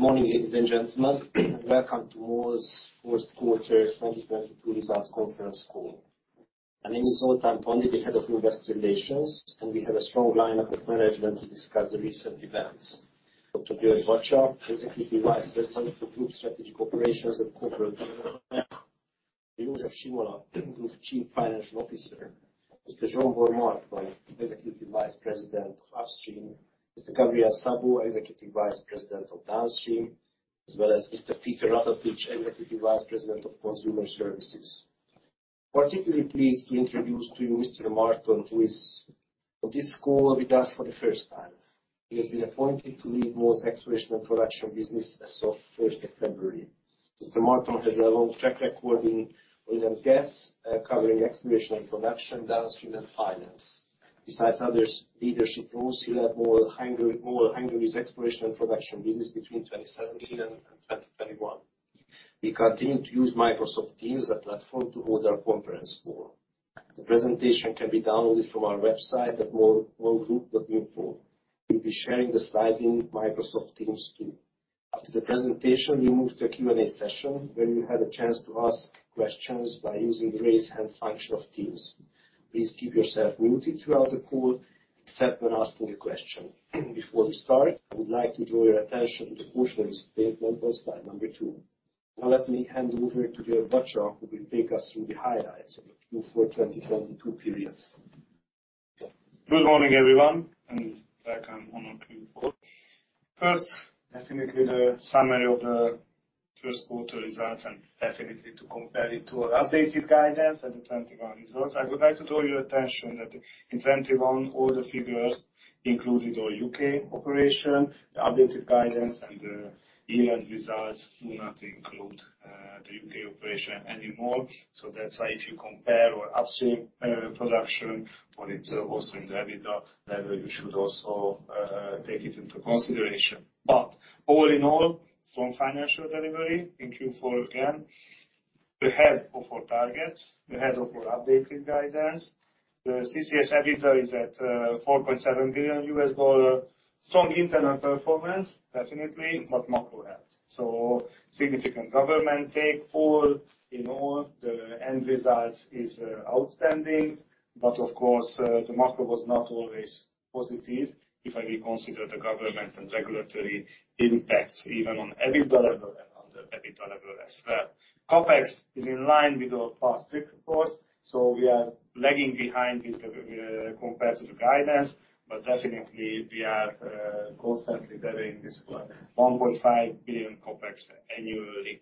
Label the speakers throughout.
Speaker 1: Good morning, ladies and gentlemen. Welcome to MOL's Q4 2022 results conference call. My name is Zoltán Pandi, the Head of Investor Relations, and we have a strong lineup of management to discuss the recent events. Dr. György Bacsa, Executive Vice President for Group Strategic Operations and Corporate Development. József Simola, Group Chief Financial Officer. Mr. Zsombor Marton, Executive Vice President of Upstream. Mr. Gabriel Szabó, Executive Vice President of Downstream. As well as Mr. Péter Ratatics, Executive Vice President of Consumer Services. Particularly pleased to introduce to you Mr. Zsombor Marton, who is on this call with us for the 1st of February. He has been appointed to lead MOL's exploration and production business as of 1st of February. Mr. Zsombor Marton has a long track record in oil and gas, covering exploration and production, downstream and finance. Besides others leadership roles, he led MOL Hungary's exploration and production business between 2017 and 2021. We continue to use Microsoft Teams as a platform to hold our conference call. The presentation can be downloaded from our website at molgroup.info. We'll be sharing the slides in Microsoft Teams too. After the presentation, we move to a Q&A session where you have a chance to ask questions by using raise hand function of Teams. Please keep yourself muted throughout the call except when asking a question. Before we start, I would like to draw your attention to the cautionary statement on slide number two. Now let me hand over to György Bacsa, who will take us through the highlights of the Q4 of 2022 period.
Speaker 2: Good morning, everyone, welcome on our Q4. First, definitely the summary of the Q1 results, definitely to compare it to our updated guidance and the 2021 results. I would like to draw your attention that in 2021, all the figures included our U.K. operation. The updated guidance and the year-end results do not include the U.K. operation anymore. That's why if you compare our upstream production on it's also in the EBITDA level, you should also take it into consideration. All in all, strong financial delivery in Q4 again. Ahead of our targets, ahead of our updated guidance. The CCS EBITDA is at $4.7 billion. Strong internal performance, definitely, macro helped. Significant government take all in all the end results is outstanding. Of course, the macro was not always positive if I will consider the government and regulatory impacts even on EBITDA level and on the EBITDA level as well. CapEx is in line with our past reports, we are lagging behind with the compared to the guidance. Definitely we are constantly getting this $1.5 billion CapEx annually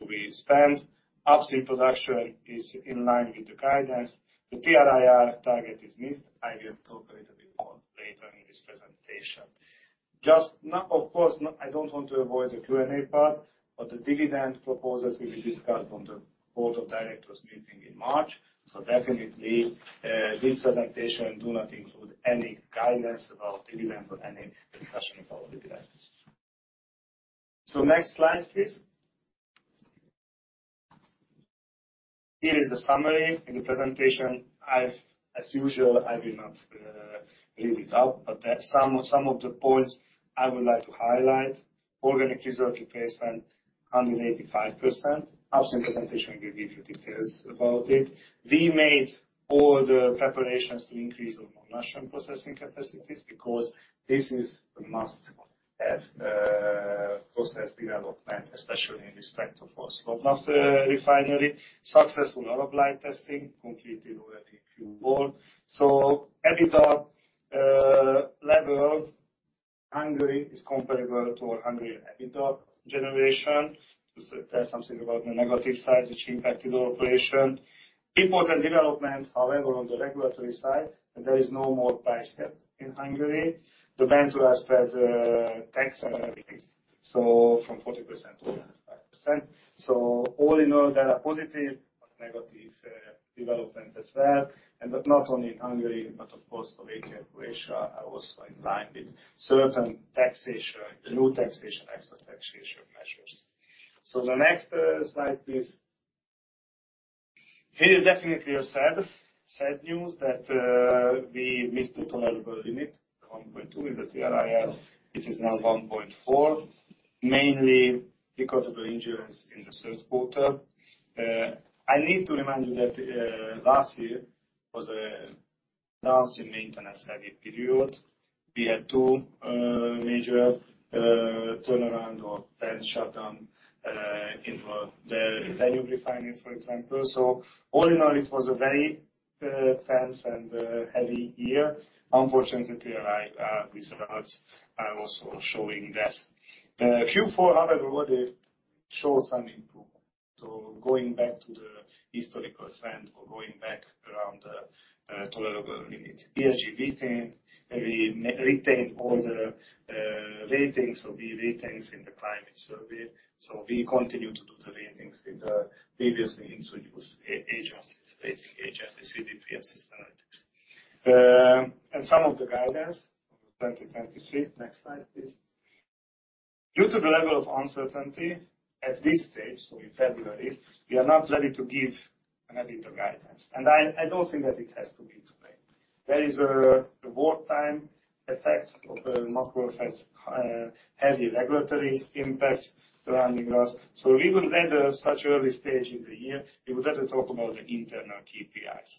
Speaker 2: to be spent. Upstream production is in line with the guidance. The TRIR target is missed. I will talk a little bit more later in this presentation. Just now, of course I don't want to avoid the Q&A part, the dividend proposals will be discussed on the Board of Directors meeting in March. Definitely, this presentation do not include any guidance about dividend or any discussion about dividend. Next slide, please. Here is the summary. In the presentation. As usual, I will not read it out, there are some of the points I would like to highlight. Organic reserve replacement, 185%. Upstream presentation will give you details about it. We made all the preparations to increase our margin processing capacities because this is a must have process development, especially in respect of our Slovnaft refinery. Successful Arab Light testing completed already Q4. EBITDA level, Hungary is comparable to our Hungary EBITDA generation. To tell something about the negative sides which impacted our operation. Important development, however, on the regulatory side, there is no more price cap in Hungary. The bank to asset tax are increased, from 40% to 95%. All in all, there are positive but negative development as well. But not only in Hungary, but of course Slovakia and Croatia are also in line with certain taxation, new taxation, extra taxation measures. The next slide, please. Here is definitely a sad news that we missed the tolerable limit, 1.2 in the TRIR. It is now 1.4, mainly because of the injuries in the Q3. I need to remind you that last year was a nasty maintenance-heavy period. We had two major turnaround or plant shutdown in the Italian refinery, for example. All in all, it was a very tense and heavy year. Unfortunately TRIR results are also showing that. The Q4, however, what it show some improvement. Going back to the historical trend or going back around the tolerable limit. ESG rating, we retain all the ratings, so B ratings in the climate survey. We continue to do the ratings with the previous ratings we use, AGF's rating, AGF, CDP and Sustainalytics. Some of the guidance for 2023. Next slide, please. Due to the level of uncertainty at this stage, so in February, we are not ready to give an EBITDA guidance. I don't think that it has to be today. There is a wartime effect of macro effects, heavy regulatory impacts surrounding us. We would, at such early stage in the year, we would rather talk about the internal KPIs.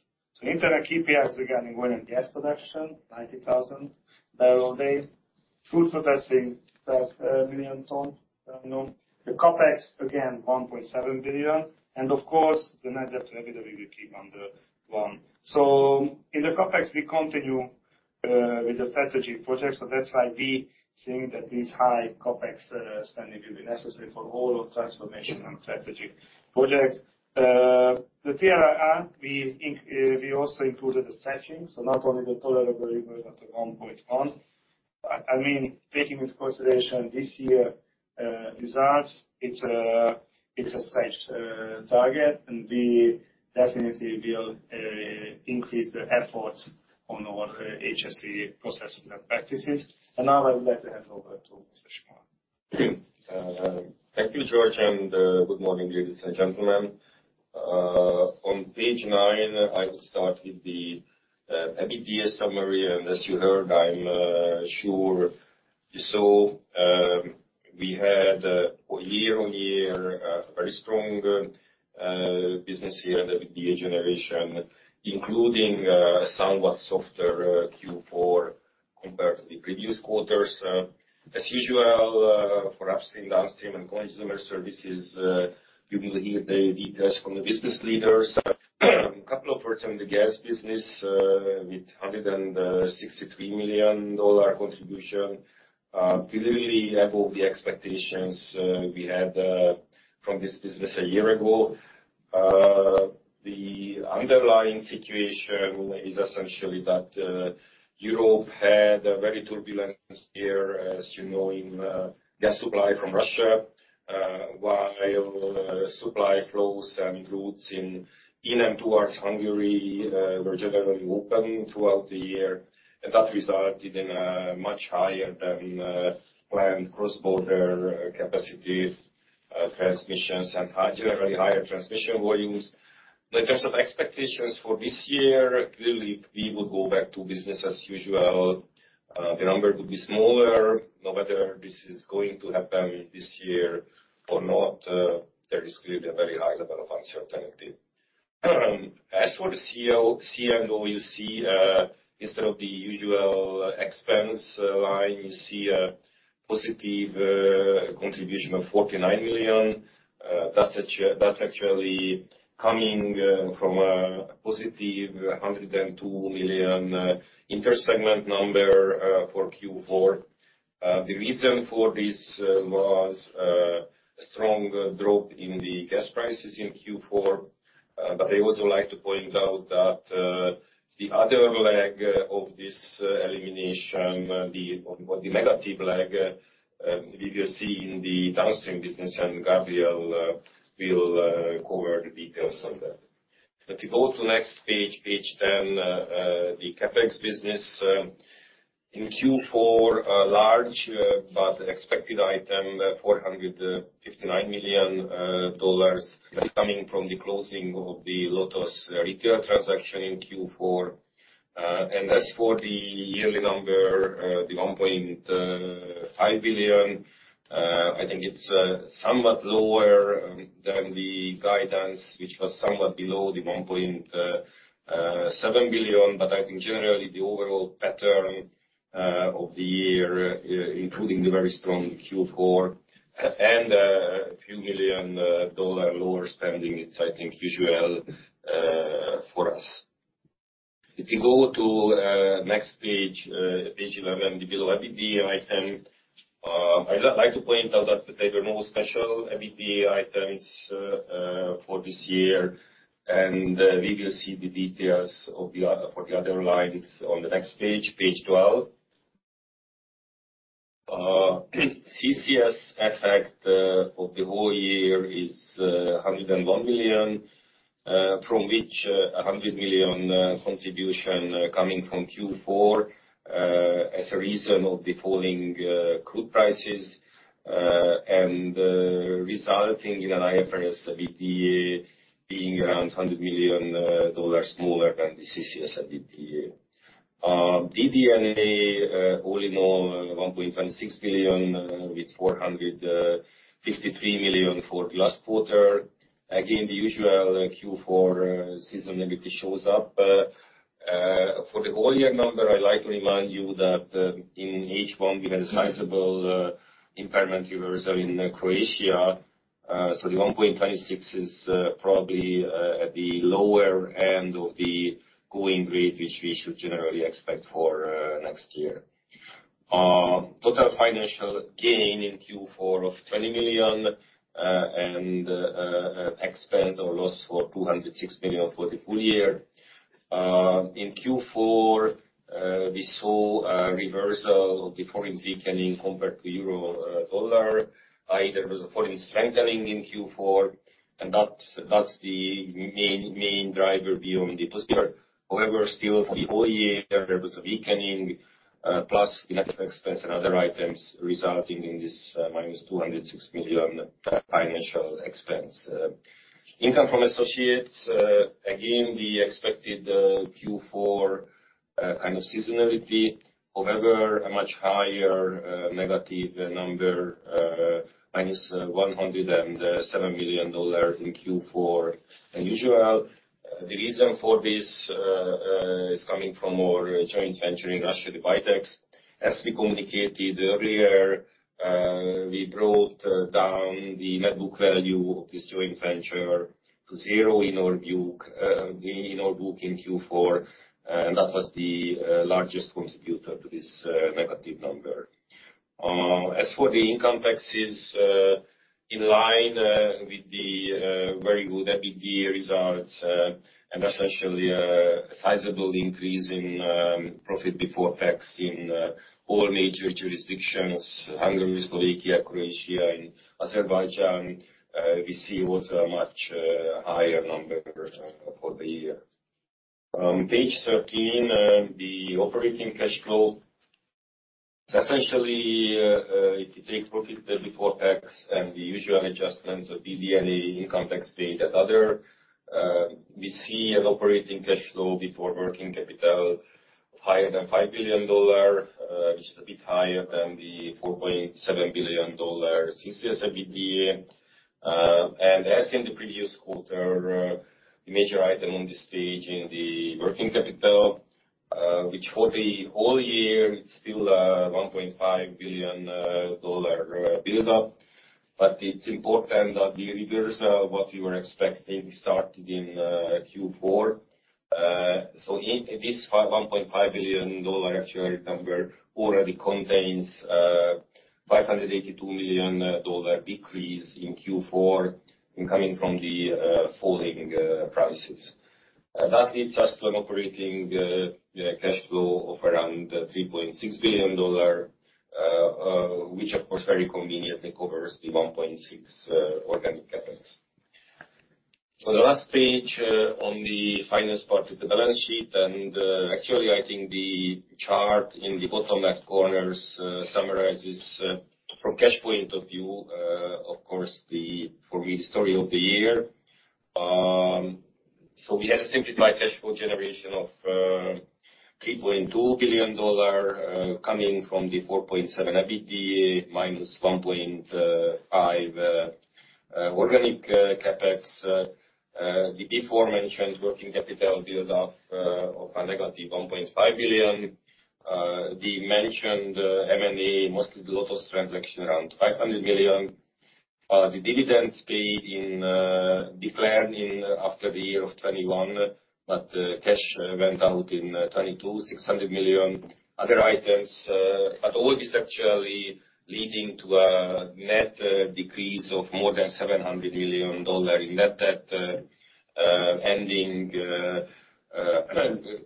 Speaker 2: Internal KPIs regarding oil and gas production, 90,000 barrel a day. Food processing, 12 million tons, terminal. The CapEx, again, $1.7 billion. Of course, the net debt to EBITDA, we will keep under one. In the CapEx, we continue with the strategic projects. That's why we think that this high CapEx spending will be necessary for all our transformational and strategic projects. The TRIR, we also included the stretching. Not only the tolerable, but at the 1.1. I mean, taking into consideration this year results, it's a stretched target, and we definitely will increase the efforts on our HSE processes and practices. Now I would like to hand over to Mr. Simola.
Speaker 3: Thank you, György, and good morning, ladies and gentlemen. On page nine, I will start with the EBITDA summary. As you heard, I'm sure you saw, we had year-on-year a very strong business year with the EBITDA generation, including somewhat softer Q4 compared to the previous quarters. As usual, for Upstream, Downstream, and Consumer Services, you will hear the details from the business leaders. A couple of words on the gas business, with $163 million contribution. We really have all the expectations we had from this business a year ago. The underlying situation is essentially that Europe had a very turbulent year, as you know, in gas supply from Russia. While supply flows and routes in and towards Hungary were generally open throughout the year. That resulted in a much higher than planned cross-border capacity transmissions, and generally higher transmission volumes. In terms of expectations for this year, clearly we will go back to business as usual. The number could be smaller. Now whether this is going to happen this year or not, there is clearly a very high level of uncertainty. As for the C&O, you see, instead of the usual expense line, you see a positive contribution of $49 million. That's actually coming from a positive $102 million inter-segment number for Q4. The reason for this was a strong drop in the gas prices in Q4. I also like to point out that the other leg of this elimination, or the negative leg, we will see in the downstream business, and Gabriel will cover the details on that. If you go to the next page 10, the CapEx business in Q4, a large but expected item, $459 million, that's coming from the closing of the LOTOS retail transaction in Q4. As for the yearly number, the $1.5 billion, I think it's somewhat lower than the guidance, which was somewhat below the $1.7 billion. I think generally the overall pattern of the year, including the very strong Q4 and a few million dollar lower spending, it's I think usual for us. If you go to next page 11, the below EBITDA item, I like to point out that there were no special EBITDA items for this year. We will see the details for the other lines on the next page 12. CCS effect of the whole year is $101 million, from which a $100 million contribution coming from Q4, as a reason of the falling crude prices, and resulting in IFRS EBITDA being around $100 million lower than the CCS EBITDA. DD&A all in all, $1.26 billion, with $453 million for last quarter. Again, the usual Q4 seasonality shows up. For the whole year number, I like to remind you that in H1, we had a sizable impairment reversal in Croatia. The 1.26 is probably at the lower end of the going rate, which we should generally expect for next year. Total financial gain in Q4 of $20 million and expense or loss for $206 million for the full year. In Q4, we saw a reversal of the Forint weakening compared to Euro, Dollar. There was a Forint strengthening in Q4, and that's the main driver beyond the positive. However, still for the whole year, there was a weakening plus the FX expense and other items resulting in this -$206 million financial expense. Income from associates, again, the expected Q4, kind of seasonality. However, a much higher negative number, minus $107 million in Q4. Unusual. The reason for this is coming from our joint venture in Russia, the Baitex. As we communicated earlier, we brought down the net book value of this joint venture to zero in our book in Q4. And that was the largest contributor to this negative number. As for the income taxes, in line with the very good EBITDA results, and essentially a sizable increase in profit before tax in all major jurisdictions, Hungary, Slovakia, Croatia, and Azerbaijan, we see also a much higher numbers for the year. Page 13, the operating cash flow. Essentially, if you take profit before tax and the usual adjustments of PD and the income tax paid and other, we see an operating cash flow before working capital of higher than $5 billion, which is a bit higher than the $4.7 billion CCS EBITDA. As in the previous quarter, the major item on this page in the working capital, which for the whole year it's still $1.5 billion build-up. It's important that the reverse of what you are expecting started in Q4. In this $1.5 billion actual number already contains $582 million decrease in Q4 in coming from the falling prices. That leads us to an operating cash flow of around $3.6 billion, which of course very conveniently covers the $1.6 organic CapEx. On the last page, on the finance part is the balance sheet. Actually, I think the chart in the bottom left corners summarizes from cash point of view, of course, the story of the year. We had a simplified cash flow generation of $3.2 billion coming from the $4.7 EBITDA minus $1.5 organic CapEx. The aforementioned working capital build-up of a negative $1.5 billion. The mentioned M&A, mostly the LOTOS transaction, around $500 million. The dividends paid in, declared in after the year of 2021, but cash went out in 2022, $600 million. Other items, all this actually leading to a net decrease of more than $700 million in net debt, ending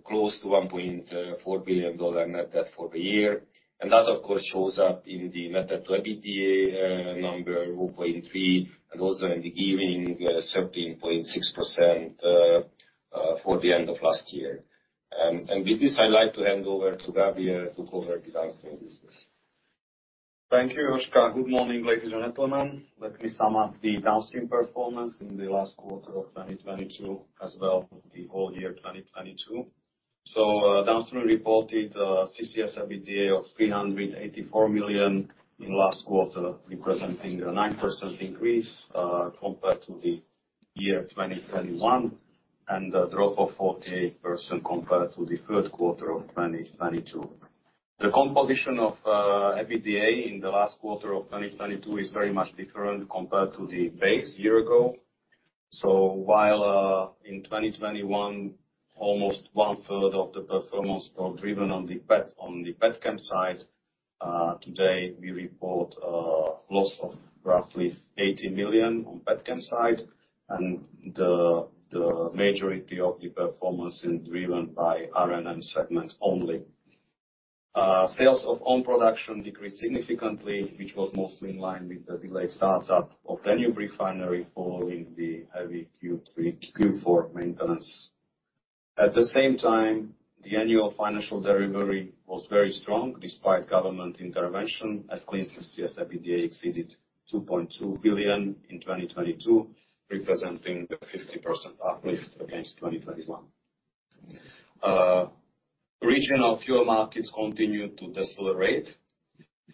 Speaker 3: close to $1.4 billion net debt for the year. That of course shows up in the net debt to EBITDA number of 0.3, and also in the gearing 13.6% for the end of last year. With this, I'd like to hand over to Gabriel to cover the Downstream business.
Speaker 4: Thank you, József. Good morning, ladies and gentlemen. Let me sum up the Downstream performance in the last quarter of 2022, as well the whole year, 2022. Downstream reported CCS EBITDA of $384 million in last quarter, representing a 9% increase compared to the year 2021, and a drop of 48% compared to the Q3 of 2022. The composition of EBITDA in the last quarter of 2022 is very much different compared to the base year ago. While in 2021, almost one-third of the performance was driven on the petchem side, today we report loss of roughly $80 million on petchem side, and the majority of the performance is driven by R&M segment only. Sales of own production decreased significantly, which was mostly in line with the delayed start-up of Danube Refinery following the heavy Q3-Q4 maintenance. At the same time, the annual financial derivative was very strong despite government intervention, as Clean CCS EBITDA exceeded $2.2 billion in 2022, representing a 50% uplift against 2021. Regional fuel markets continued to decelerate.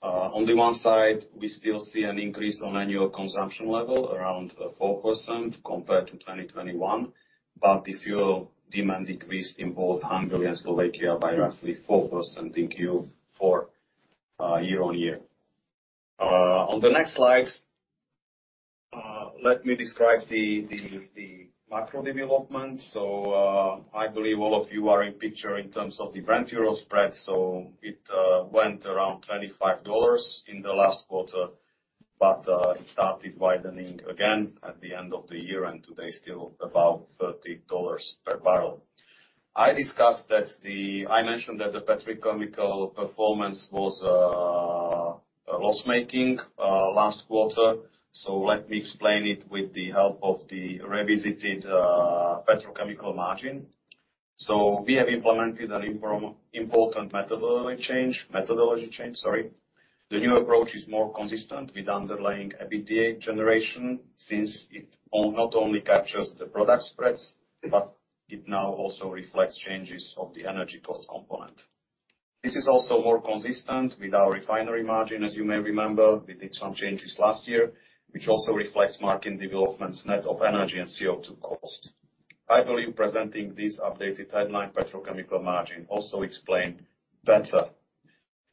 Speaker 4: On the one side, we still see an increase on annual consumption level around 4% compared to 2021, but the fuel demand decreased in both Hungary and Slovakia by roughly 4% in Q4, year-over-year. On the next slides, let me describe the macro development. I believe all of you are in picture in terms of the Brent-Ural spread. It went around $25 in the last quarter, but it started widening again at the end of the year, and today still about $30 per barrel. I mentioned that the petrochemical performance was loss-making last quarter. Let me explain it with the help of the revisited petrochemical margin. We have implemented an important methodology change. Methodology change, sorry. The new approach is more consistent with underlying EBITDA generation since it not only captures the product spreads, but it now also reflects changes of the energy cost component. This is also more consistent with our refinery margin. As you may remember, we did some changes last year, which also reflects market developments net of energy and CO2 cost. I believe presenting this updated headline petrochemical margin also explained better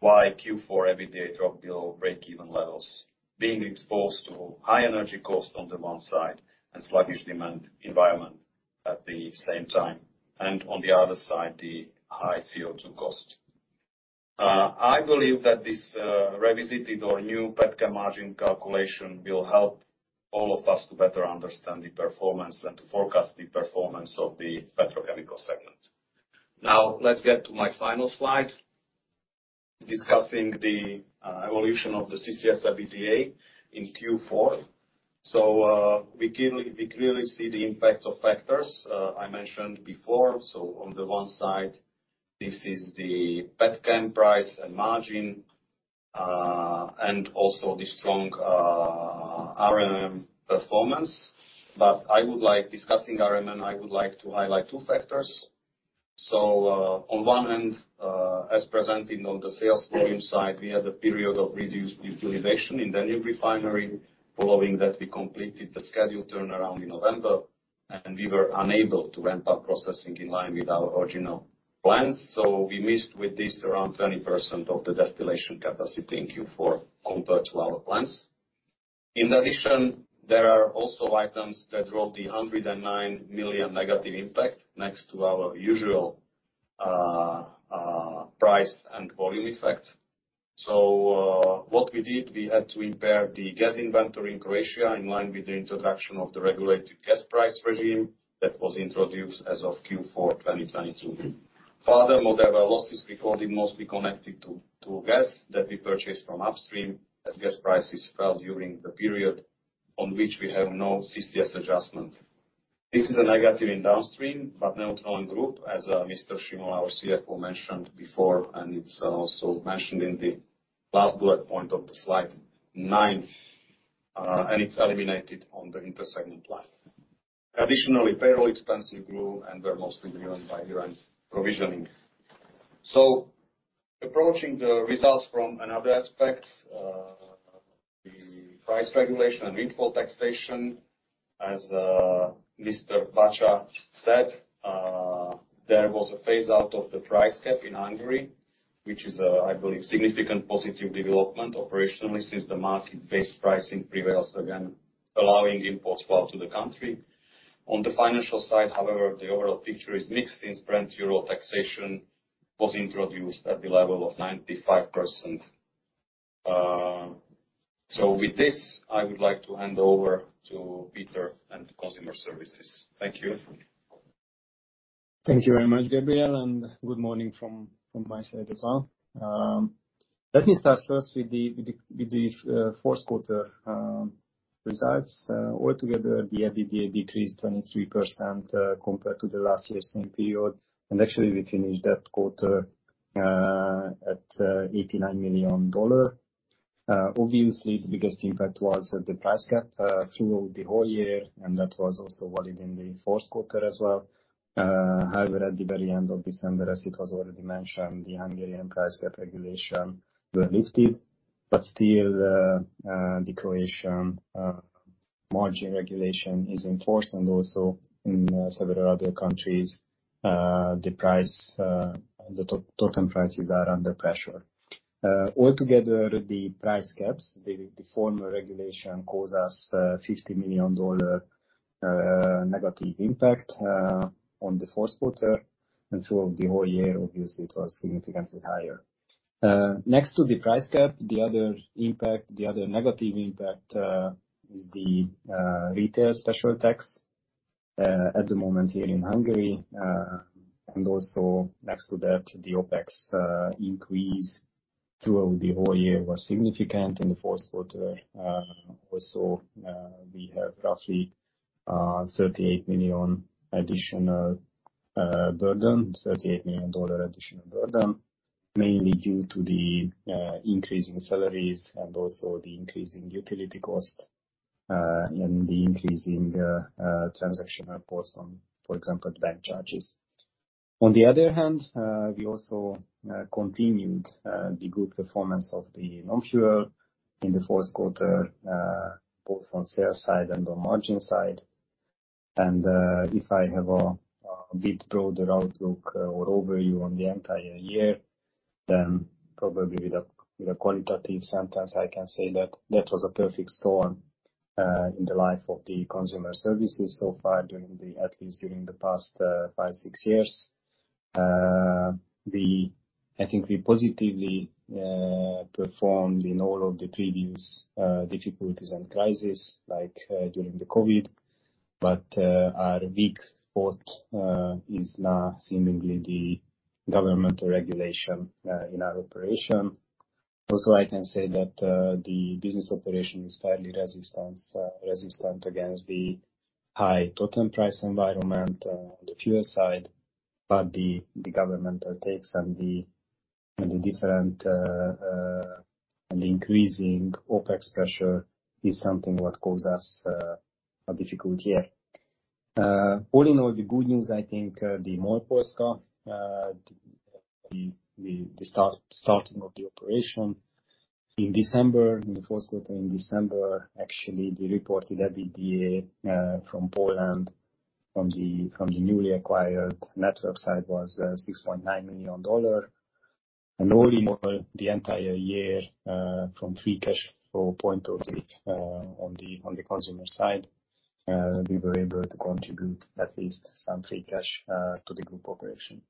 Speaker 4: why Q4 EBITDA dropped below break-even levels, being exposed to high energy cost on the one side and sluggish demand environment at the same time. On the other side, the high CO₂ cost. I believe that this revisited or new petchem margin calculation will help all of us to better understand the performance and to forecast the performance of the petrochemical segment. Let's get to my final slide, discussing the evolution of the CCS EBITDA in Q4. We clearly see the impact of factors I mentioned before. On the one side, this is the petchem price and margin and also the strong R&M performance. I would like discussing R&M, I would like to highlight two factors. On one end, as presented on the sales volume side, we had a period of reduced utilization in Danube Refinery. Following that, we completed the scheduled turnaround in November, and we were unable to ramp up processing in line with our original plans, so we missed with this around 20% of the distillation capacity in Q4 compared to our plans. In addition, there are also items that drove the $109 million negative impact next to our usual price and volume effect. What we did, we had to impair the gas inventory in Croatia in line with the introduction of the regulated gas price scheme that was introduced as of Q4 2022. Furthermore, there were losses recorded mostly connected to gas that we purchased from upstream as gas prices fell during the period on which we have no CCS adjustment. This is a negative in downstream, but neutral on group, as Mr. Simola, our CFO, mentioned before, and it's also mentioned in the last bullet point of the slide 9. It's eliminated on the intersegment line. Additionally, payroll expenses grew and were mostly driven by year-end provisioning. So approaching the results from another aspect, the price regulation and windfall tax. As Mr. Bacsa said, there was a phase out of the price cap in Hungary, which is, I believe, significant positive development operationally since the market-based pricing prevails again, allowing imports flow to the country. On the financial side, however, the overall picture is mixed since Brent-Ural taxation was introduced at the level of 95%. With this, I would like to hand over to Péter Ratatics and Consumer Services. Thank you.
Speaker 5: Thank you very much, Gabriel, good morning from my side as well. Let me start first with the Q4 results. Altogether, the EBITDA decreased 23% compared to the last year's same period. Actually we finished that quarter at $89 million. Obviously the biggest impact was the price cap throughout the whole year, that was also valid in the Q4 as well. However, at the very end of December, as it was already mentioned, the Hungarian price cap regulation were lifted, still the Croatian margin regulation is in force and also in several other countries the total prices are under pressure. Altogether, the price caps, the former regulation cost us $50 million negative impact on the Q4. Throughout the whole year, obviously it was significantly higher. Next to the price cap, the other impact, the other negative impact is the retail special tax at the moment here in Hungary. Next to that, the OpEx increase throughout the whole year was significant. In the Q4, also, we have roughly $38 million additional burden, mainly due to the increasing salaries and also the increasing utility cost and the increasing transactional costs on, for example, bank charges. On the other hand, we also continued the good performance of the non-fuel in the Q4, both on sales side and on margin side. If I have a bit broader outlook or overview on the entire year, then probably with a with a quantitative sentence, I can say that that was a perfect storm in the life of the Consumer Services so far at least during the past five, six years. I think we positively performed in all of the previous difficulties and crisis like during the COVID, but our weak spot is now seemingly the government regulation in our operation. I can say that the business operation is fairly resistant against the high total price environment on the fuel side, but the government takes and the different and increasing OpEx pressure is something what caused us a difficult year. All in all, the good news, I think, MOL Polska, the starting of the operation in December, in the Q1 in December, actually, the reported EBITDA from Poland, from the newly acquired network side was $6.9 million. All in all, the entire year, from free cash flow point of view, on the consumer side, we were able to contribute at least some free cash to the group operation.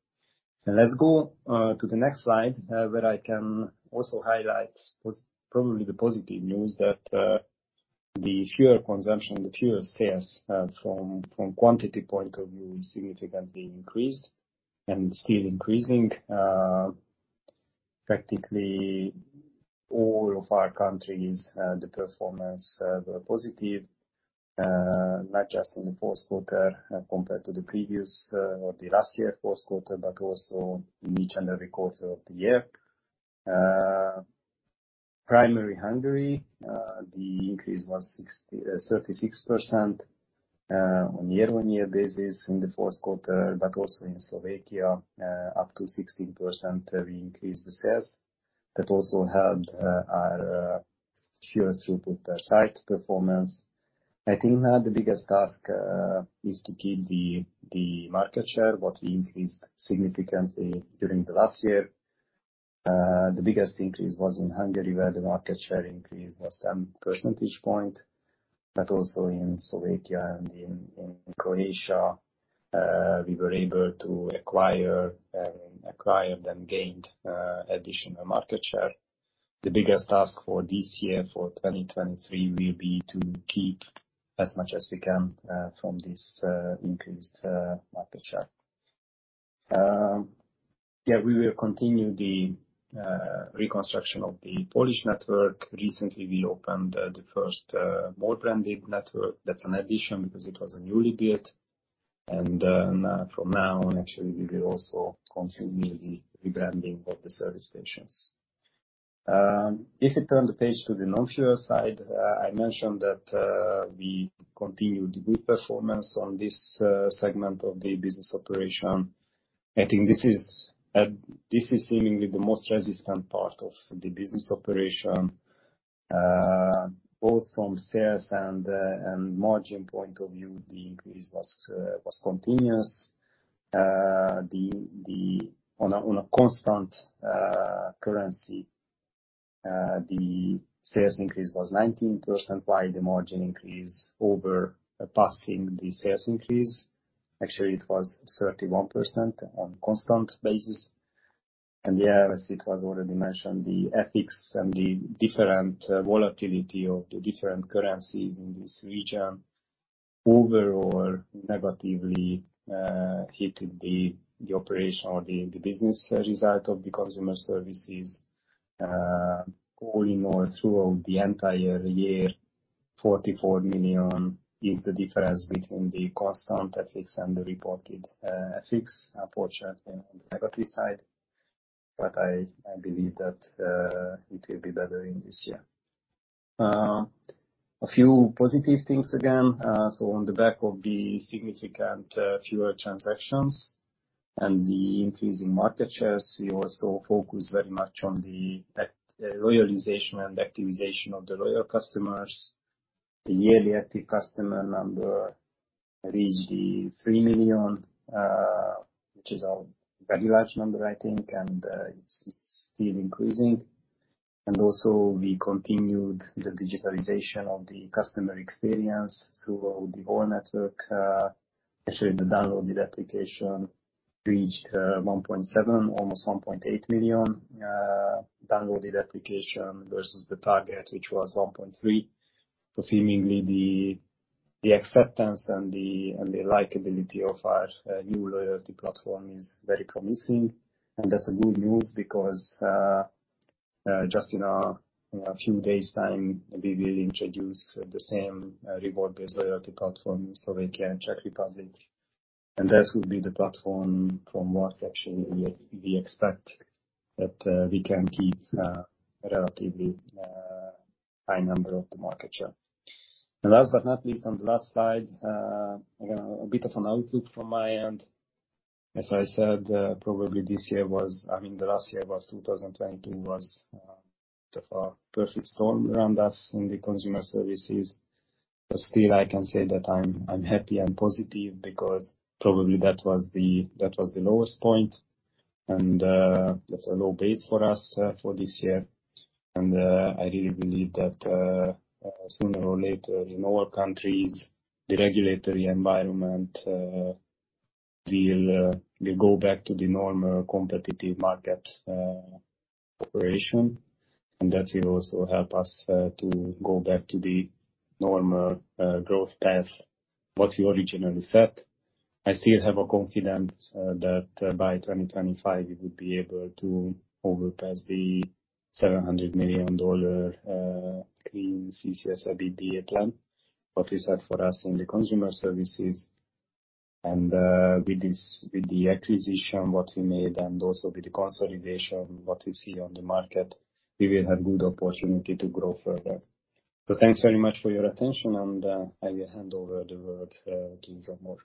Speaker 5: Let's go to the next slide, where I can also highlight what's probably the positive news that the fuel consumption, the fuel sales, from quantity point of view, significantly increased and still increasing. Practically all of our countries, the performance were positive, not just in the Q4 compared to the previous or the last year Q4, but also in each and every quarter of the year. Primary Hungary, the increase was 36% on year-on-year basis in the Q4, but also in Slovakia, up to 16% we increased the sales. That also helped our fuel throughput site performance. I think that the biggest task is to keep the market share, what we increased significantly during the last year. The biggest increase was in Hungary, where the market share increase was 10 percentage points, but also in Slovakia and in Croatia, we were able to acquire, acquired and gained additional market share. The biggest task for this year, for 2023, will be to keep as much as we can from this increased market share. Yeah, we will continue the reconstruction of the Polish network. Recently, we opened the first MOL branded network. That's an addition because it was a newly built. From now on, actually, we will also continue the rebranding of the service stations. If you turn the page to the non-fuel side, I mentioned that we continued the good performance on this segment of the business operation. I think this is, this is seemingly the most resistant part of the business operation. Both from sales and margin point of view, the increase was continuous. On a constant currency, the sales increase was 19%, while the margin increase over passing the sales increase. Actually, it was 31% on constant basis. Yeah, as it was already mentioned, the FX and the different volatility of the different currencies in this region overall negatively hit the operation or the business result of the consumer services. All in all, throughout the entire year, $44 million is the difference between the constant FX and the reported FX, unfortunately, on the negative side. I believe that it will be better in this year. A few positive things again, on the back of the significant fuel transactions and the increasing market shares, we also focus very much on the loyalization and activization of the loyal customers. The yearly active customer number reached three million, which is a very large number, I think, and it's still increasing. Also, we continued the digitalization of the customer experience throughout the whole network. Actually, the downloaded application reached 1.7, almost 1.8 million downloaded application versus the target, which was 1.3. Seemingly the acceptance and the likability of our new loyalty platform is very promising. That's a good news because just in a few days time, we will introduce the same reward-based loyalty platform in Slovakia and Czech Republic. That will be the platform from what actually we expect that we can keep relatively high number of the market share. Last but not least, on the last slide, again, a bit of an outlook from my end. As I said, the last year, 2022, was sort of a perfect storm around us in the Consumer Services. Still, I can say that I'm happy and positive because probably that was the lowest point. That's a low base for us for this year. I really believe that sooner or later in all countries, the regulatory environment will go back to the normal competitive market operation. That will also help us to go back to the normal growth path, what we originally set. I still have a confidence that by 2025, we would be able to overpass the $700 million in CCS EBITDA plan, what we set for us in the Consumer Services. With the acquisition what we made and also with the consolidation what we see on the market, we will have good opportunity to grow further. Thanks very much for your attention and I will hand over the word to Zsombor.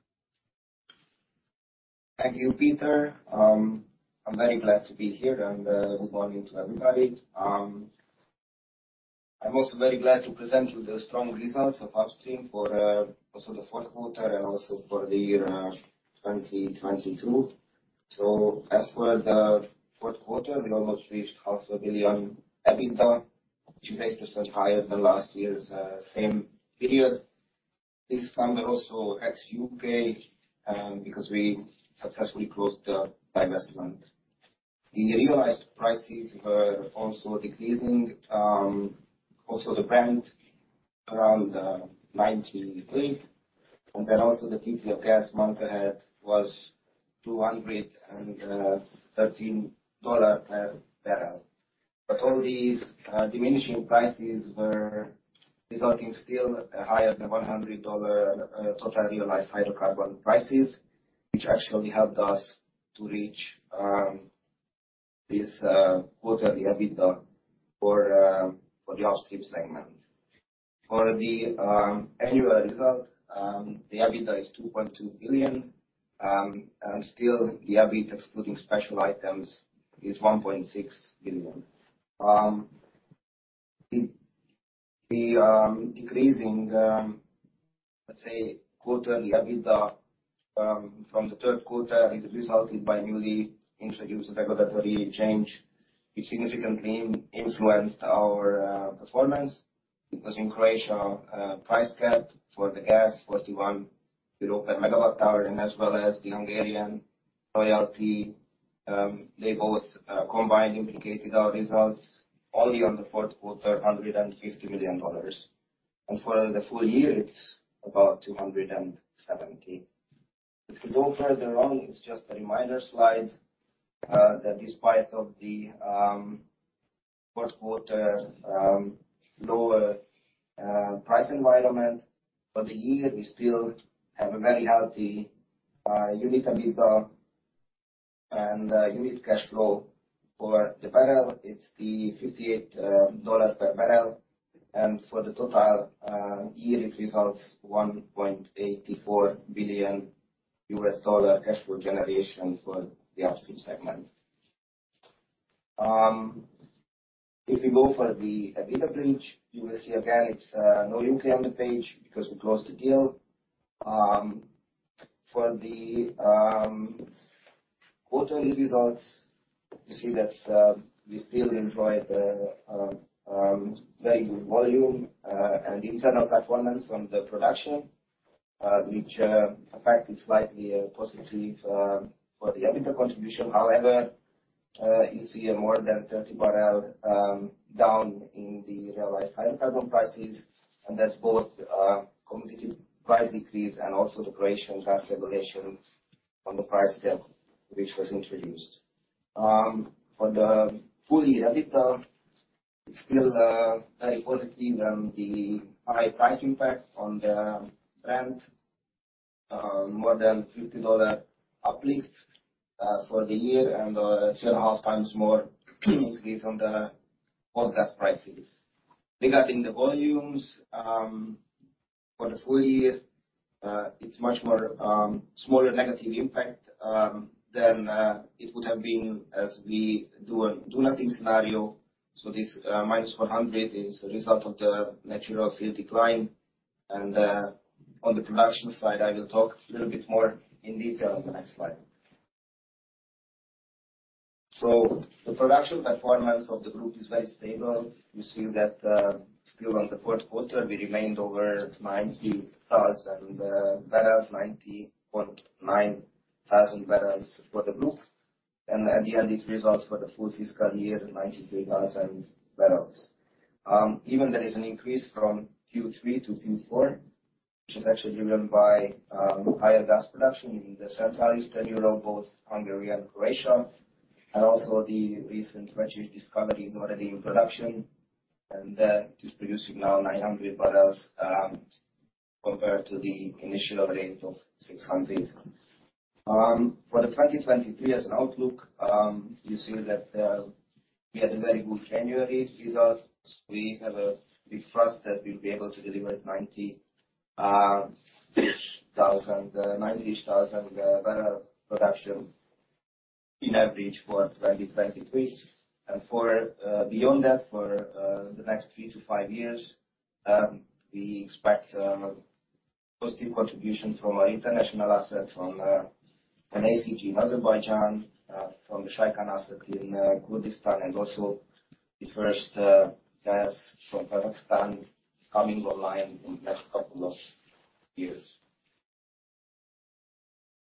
Speaker 6: Thank you, Péter. I'm very glad to be here, good morning to everybody. I'm also very glad to present you the strong results of upstream for the Q4 and for the year 2022. As for the Q4, we almost reached half a billion EBITDA, which is 8% higher than last year's same period. This time we're also ex U.K., because we successfully closed the divestment. The realized prices were also decreasing, also the Brent around $98, and then also the TTF gas month ahead was $213 per barrel. All these diminishing prices were resulting still higher than $100 total realized hydrocarbon prices, which actually helped us to reach this quarterly EBITDA for the upstream segment. For the annual result, the EBITDA is $2.2 billion. Still the EBIT excluding special items is $1.6 billion. The decreasing, let's say, quarterly EBITDA from the Q3 is resulted by newly introduced regulatory change, which significantly influenced our performance. It was in Croatia, price cap for the gas 41 euro per megawatt hour, and as well as the Hungarian royalty. They both combined impacted our results only on the Q4, $150 million. For the full year, it's about $270 million. If we go further on, it's just a reminder slide that despite of the Q4, lower price environment, for the year we still have a very healthy unit EBITDA and unit cash flow. For the barrel, it's the $58 per barrel, and for the total year, it results $1.84 billion cash flow generation for the upstream segment. If we go for the EBITDA bridge, you will see again it's no U.K. on the page because we closed the deal. For the quarterly results, you see that we still enjoyed very good volume and internal performance on the production, which affected slightly positive for the EBITDA contribution. However, you see a more than 30 barrel down in the realized hydrocarbon prices, and that's both competitive price decrease and also the Croatian gas regulation on the price cap which was introduced. For the full year EBITDA, it's still very positive on the high price impact on the Brent, more than $50 uplift for the year and two and a half times more increase on the oil gas prices. Regarding the volumes, for the full year, it's much more smaller negative impact than it would have been as we do a do nothing scenario. This minus 400 is a result of the natural field decline. On the production side, I will talk a little bit more in detail on the next slide. The production performance of the group is very stable. You see that still on the Q4, we remained over 90,000 barrels, 90.9 thousand barrels for the group. At the end, it results for the full fiscal year, 93,000 barrels. Even there is an increase from Q3 to Q4, which is actually driven by higher gas production in the Central Eastern Europe, both Hungary and Croatia, and also the recent Vecsés discovery is already in production. It is producing now 900 barrels compared to the initial rate of 600. For the 2023 as an outlook, you see that we had a very good January result. We have a big trust that we'll be able to deliver 90,000 barrel production in average for 2023. the next three to five years, we expect positive contribution from our international assets on ACG in Azerbaijan, from the Shaikan asset in Kurdistan, and also the first gas from Kazakhstan is coming online in next couple of years.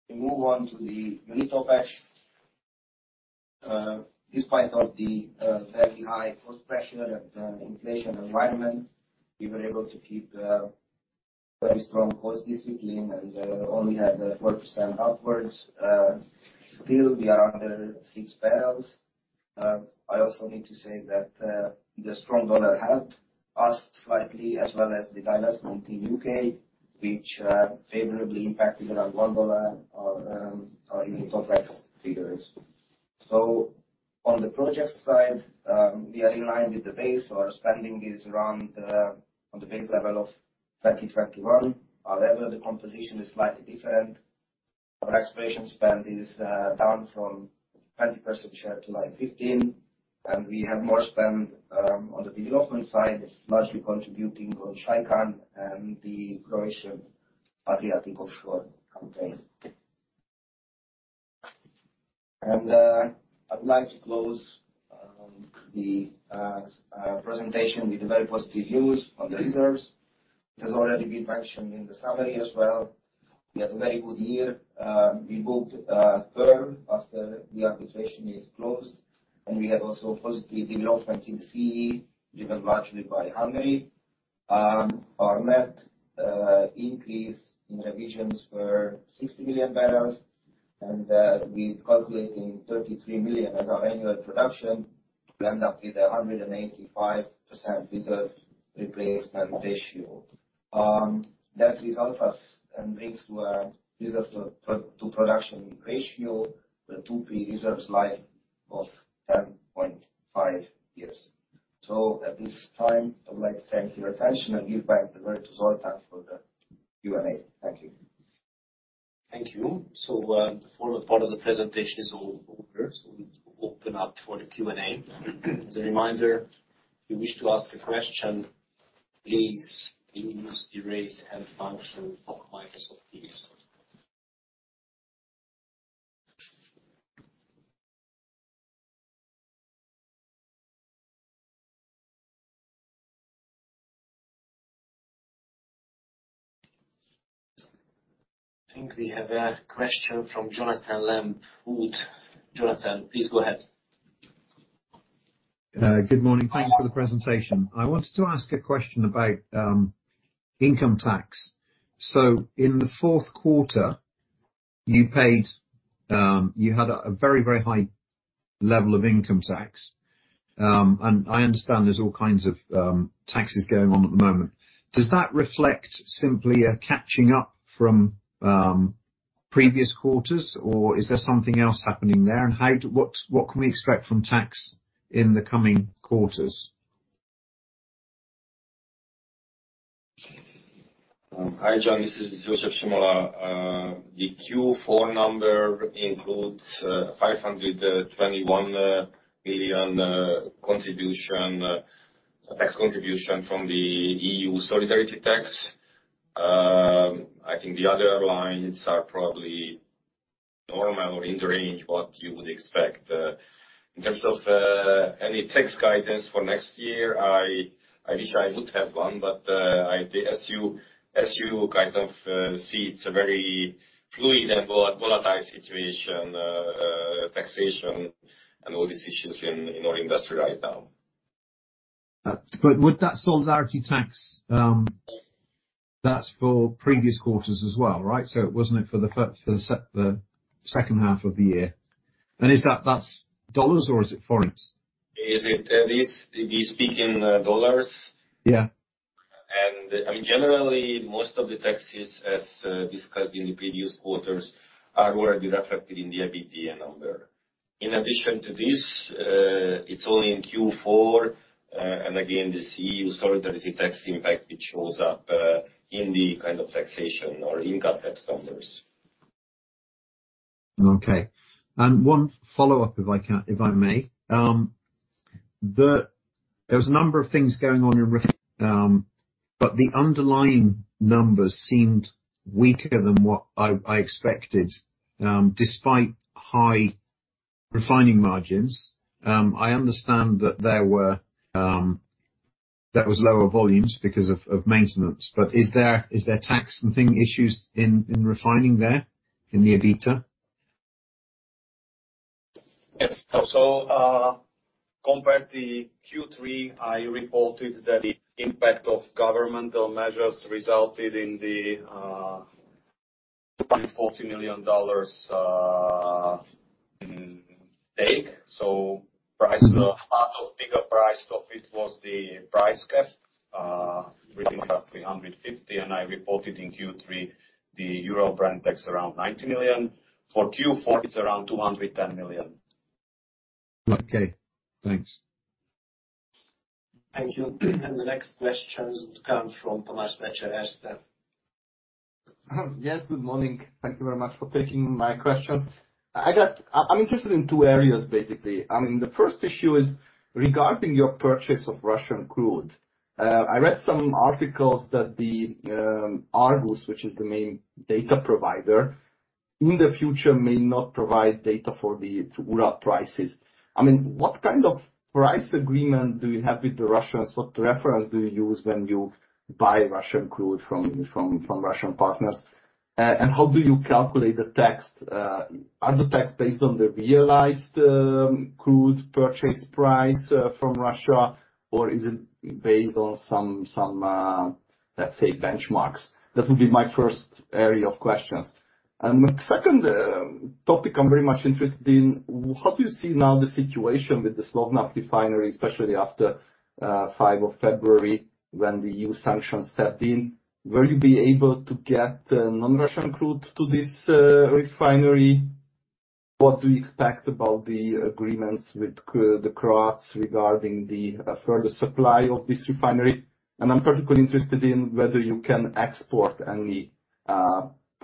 Speaker 6: We move on to the unit OpEx. Despite of the very high cost pressure and inflation environment, we were able to keep very strong cost discipline and only had a 4% upwards. Still we are under six barrels. I also need to say that the strong dollar helped us slightly as well as the divestment in U.K. which favorably impacted around $1 on our income tax figures. On the project side, we are in line with the base. Our spending is around on the base level of 2021. However, the composition is slightly different. Our exploration spend is down from 20% share to, like, 15, and we have more spend on the development side, largely contributing on Shaikan and the Croatian Adriatic offshore campaign. I'd like to close the presentation with a very positive news on the reserves. It has already been mentioned in the summary as well. We had a very good year. We booked PERN after the arbitration is closed, and we had also positive development in the CE, driven largely by Hungary. Our net increase in revisions were 60 million barrels, and we're calculating 33 million as our annual production to end up with a 185% reserve replacement ratio. That results us and brings to a reserve to production ratio, the reserves life of 10.5 years. At this time, I would like to thank your attention and give back the word to Zoltán for the Q&A. Thank you.
Speaker 1: Thank you. The formal part of the presentation is over. We open up for the Q&A. As a reminder, if you wish to ask a question, please use the Raise Hand function of Microsoft Teams. I think we have a question from Jonathan Lamb, Wood. Jonathan, please go ahead.
Speaker 7: Good morning. Thanks for the presentation. I wanted to ask a question about income tax. In the Q4, you had a very high level of income tax. I understand there's all kinds of taxes going on at the moment. Does that reflect simply a catching up from previous quarters, or is there something else happening there? What can we expect from tax in the coming quarters?
Speaker 3: Hi, John, this is József Simola. The Q4 number includes $521 million contribution, tax contribution from the EU solidarity contribution. I think the other lines are probably normal or in the range what you would expect. In terms of any tax guidance for next year, I wish I would have one, but as you kind of, see, it's a very fluid and volatile situation, taxation and all decisions in our industry right now.
Speaker 7: Would that solidarity tax, that's for previous quarters as well, right? It wasn't it for the second half of the year? Is that's dollar or is it HUF?
Speaker 3: Is it, we speak in dollars?
Speaker 7: Yeah.
Speaker 3: I mean, generally, most of the taxes as discussed in the previous quarters are already reflected in the EBITDA number. In addition to this, it's only in Q4, and again, the EU solidarity contribution impact, it shows up in the kind of taxation or income tax numbers.
Speaker 7: Okay. One follow-up, if I can, if I may. There's a number of things going on in. The underlying numbers seemed weaker than what I expected, despite high refining margins. I understand that there were lower volumes because of maintenance. Is there, is there tax and thing issues in refining there in the EBITDA?
Speaker 3: Yes. Compared to Q3, I reported that the impact of governmental measures resulted in the $0.40 million take. Part of bigger price of it was the price cap, which is roughly $150, and I reported in Q3 the Ural-Brent tax around $90 million. For Q4, it's around $210 million.
Speaker 7: Okay, thanks.
Speaker 1: Thank you. The next questions come from Tamás Pletser, Erste.
Speaker 8: Yes, good morning. Thank you very much for taking my questions. I'm interested in two areas, basically. I mean, the first issue is regarding your purchase of Russian crude. I read some articles that the Argus, which is the main data provider, in the future may not provide data for the Urals prices. I mean, what kind of price agreement do you have with the Russians? What reference do you use when you buy Russian crude from Russian partners? How do you calculate the tax? Are the tax based on the realized crude purchase price from Russia, or is it based on some, let's say, benchmarks? That would be my first area of questions. Second, topic I'm very much interested in, how do you see now the situation with the Slovnaft refinery, especially after February 5th, when the EU sanctions stepped in? Will you be able to get non-Russian crude to this refinery? What do you expect about the agreements with the Croats regarding the further supply of this refinery? I'm particularly interested in whether you can export any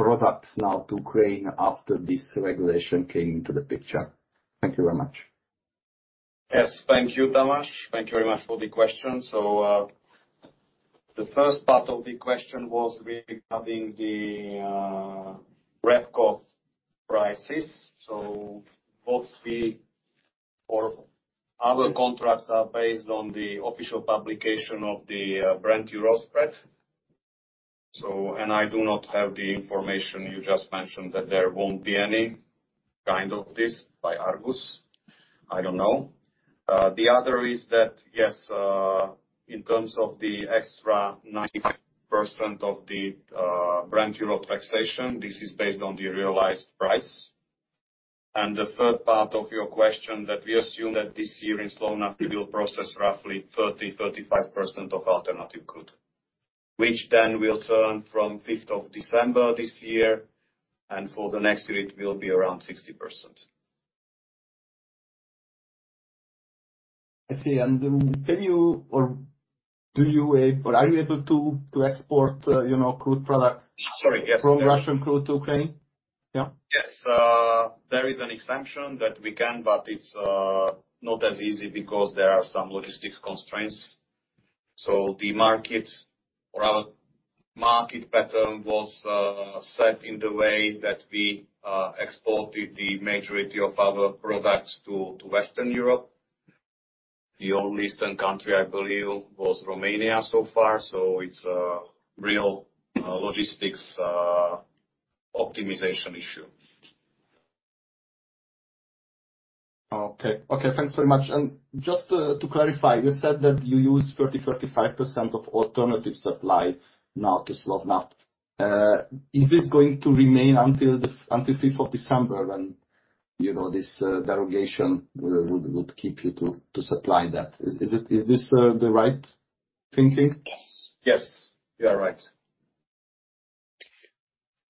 Speaker 8: products now to Ukraine after this regulation came into the picture. Thank you very much.
Speaker 4: Yes. Thank you, Tamás. Thank you very much for the question. The first part of the question was regarding the REBCO prices. Both the other contracts are based on the official publication of the Brent-Urals spread. I do not have the information you just mentioned, that there won't be any kind of this by Argus. I don't know. The other is that, yes, in terms of the extra 90% of the Brent-Urals taxation, this is based on the realized price. The third part of your question, that we assume that this year in Slovnaft we will process roughly 30%-35% of alternative crude. This will turn from 5th of December this year, and for the next year it will be around 60%.
Speaker 8: I see. Can you or do you, or are you able to export, you know, crude products...
Speaker 4: Sorry, yes.
Speaker 8: from Russian crude to Ukraine? Yeah.
Speaker 4: Yes. there is an exemption that we can, but it's not as easy because there are some logistics constraints. The market or our market pattern was set in the way that we exported the majority of our products to Western Europe. The only Eastern country I believe was Romania so far. it's a real logistics optimization issue.
Speaker 8: Okay. Okay, thanks very much. Just to clarify, you said that you use 30%-35% of alternative supply now to Slovnaft. Is this going to remain until the December 5th when, you know, this derogation would keep you to supply that? Is this the right thinking?
Speaker 4: Yes. Yes, you are right.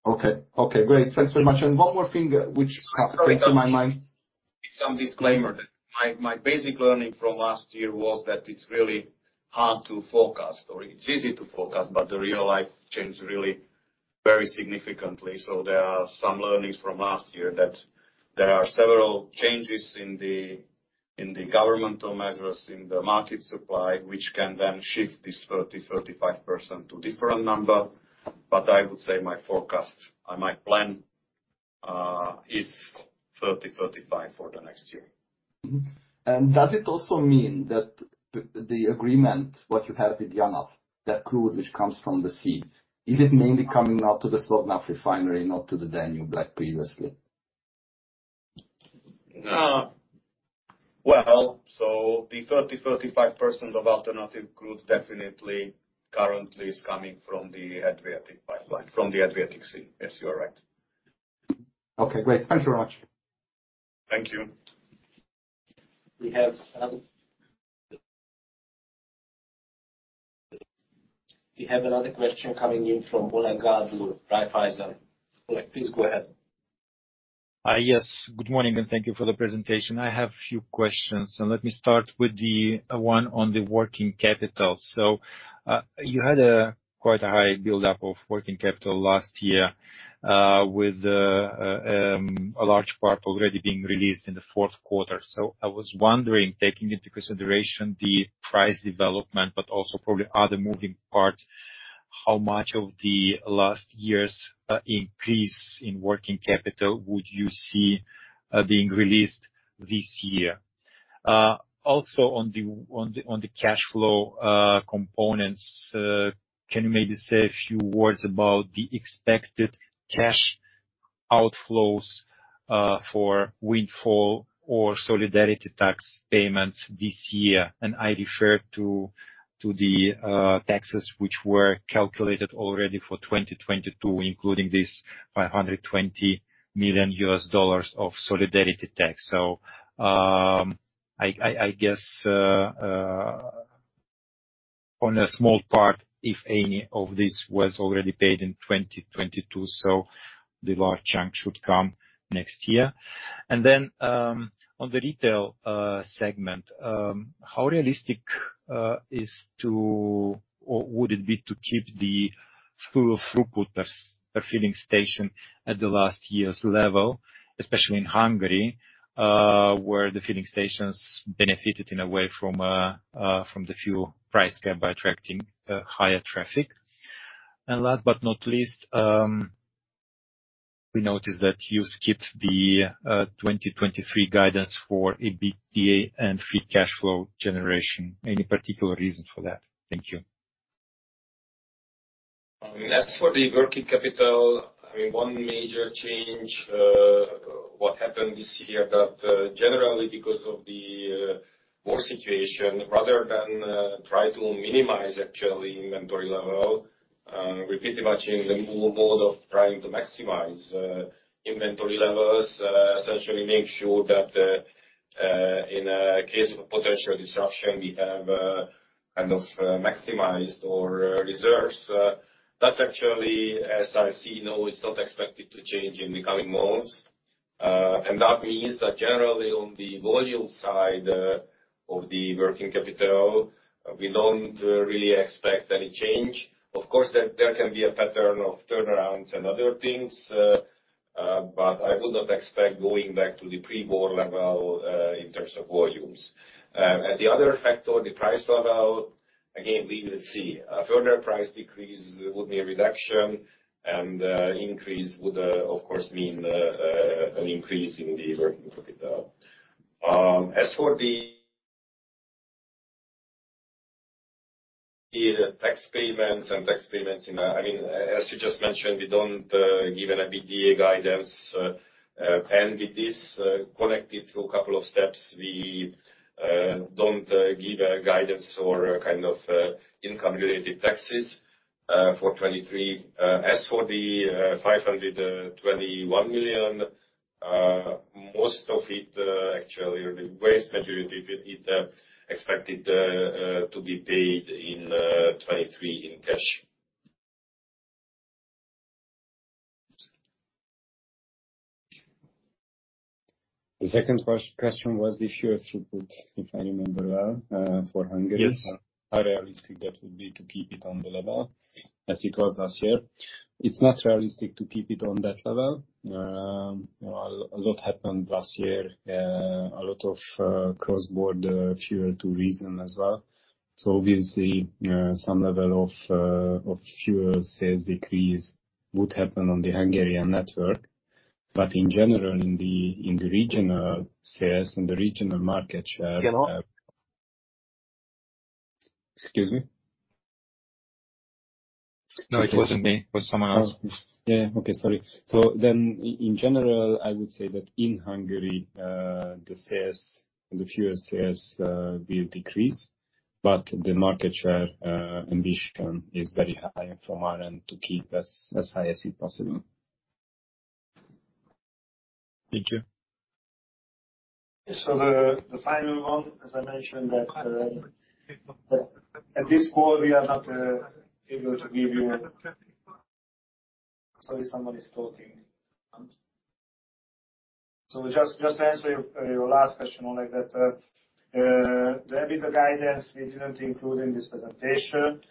Speaker 8: Okay. Okay, great. Thanks very much. One more thing which came to my mind.
Speaker 4: Sorry, it's some disclaimer. My basic learning from last year was that it's really hard to forecast, or it's easy to forecast, but the real life changed really very significantly. There are some learnings from last year that there are several changes in the governmental measures, in the market supply, which can then shift this 30%-35% to different number. I would say my forecast and my plan is 30%-35% for the next year.
Speaker 8: Does it also mean that the agreement, what you have with Janaf, that crude which comes from the sea, is it mainly coming now to the Slovnaft refinery, not to the Danube like previously?
Speaker 4: The 30%-35% of alternative crude definitely currently is coming from the Adriatic pipeline, from the Adriatic Sea. Yes, you are right.
Speaker 8: Okay, great. Thank you very much.
Speaker 4: Thank you.
Speaker 1: We have another question coming in from Oleg Galbur, Raiffeisen. Oleg, please go ahead.
Speaker 9: Yes. Good morning, thank you for the presentation. I have a few questions, let me start with the one on the working capital. You had a quite a high buildup of working capital last year, with a large part already being released in the Q4. I was wondering, taking into consideration the price development, but also probably other moving parts, how much of the last year's increase in working capital would you see being released this year? Also on the cash flow components, can you maybe say a few words about the expected cash outflows for windfall or solidarity tax payments this year? I refer to the taxes which were calculated already for 2022, including this $520 million of solidarity tax. I guess on a small part, if any of this was already paid in 2022, the large chunk should come next year. On the retail segment, how realistic is to or would it be to keep the fuel throughput per filling station at the last year's level, especially in Hungary, where the filling stations benefited in a way from the fuel price gap by attracting higher traffic? Last but not least, we noticed that you skipped the 2023 guidance for EBITDA and free cash flow generation. Any particular reason for that? Thank you.
Speaker 4: As for the working capital, I mean, one major change. What happened this year that, generally because of the war situation, rather than, try to minimize actually inventory level, we pretty much in the mood of trying to maximize, inventory levels. Essentially make sure that, in a case of a potential disruption, we have, kind of, maximized our reserves. That's actually as I see, no, it's not expected to change in the coming months. And that means that generally on the volume side, of the working capital, we don't really expect any change. Of course, there can be a pattern of turnarounds and other things, but I would not expect going back to the pre-war level, in terms of volumes. And the other factor, the price level, again, we will see. A further price decrease would be a reduction and increase would of course mean an increase in the working capital. As for the tax payments and tax payments in. I mean, as you just mentioned, we don't give an EBITDA guidance. It is connected to a couple of steps. We don't give a guidance or kind of income related taxes for 2023. As for the $521 million, most of it, actually the vast majority of it is expected to be paid in 2023 in cash.
Speaker 2: The second question was the fuel throughput, if I remember well, for Hungary.
Speaker 9: Yes.
Speaker 2: How realistic that would be to keep it on the level as it was last year? It's not realistic to keep it on that level. A lot happened last year. A lot of cross-border fuel tourism as well. Obviously, some level of fuel sales decrease would happen on the Hungarian network. In general, in the regional sales and the regional market share. Excuse me.
Speaker 9: No, it wasn't me. It was someone else.
Speaker 2: Oh. Yeah. Okay. Sorry. In general, I would say that in Hungary, the sales, the fuel sales, will decrease, but the market share ambition is very high from our end to keep as high as it possible.
Speaker 9: Thank you.
Speaker 2: The final one, as I mentioned, at this point, we are not able to give you. Sorry, someone is talking. Just to answer your last question on like that, the EBITDA guidance we didn't include in this presentation.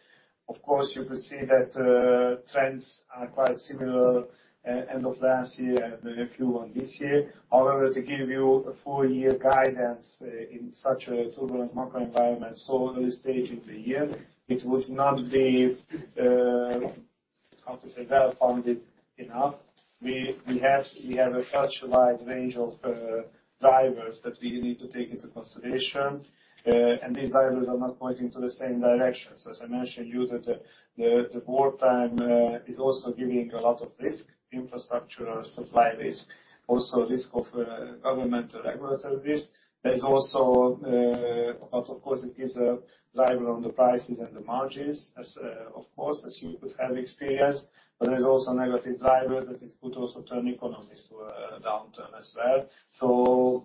Speaker 2: Of course, you could see that trends are quite similar end of last year and a few on this year. However, to give you a full year guidance in such a turbulent market environment so early stage of the year, it would not be, how to say, well-founded enough. We have a such wide range of drivers that we need to take into consideration, and these drivers are not pointing to the same direction. As I mentioned you that the wartime, is also giving a lot of risk, infrastructure or supply risk, also risk of, government or regulatory risk. There's also. Of course, it gives a driver on the prices and the margins as, of course, as you could have experienced. There's also negative drivers that it could also turn economies to a downturn as well.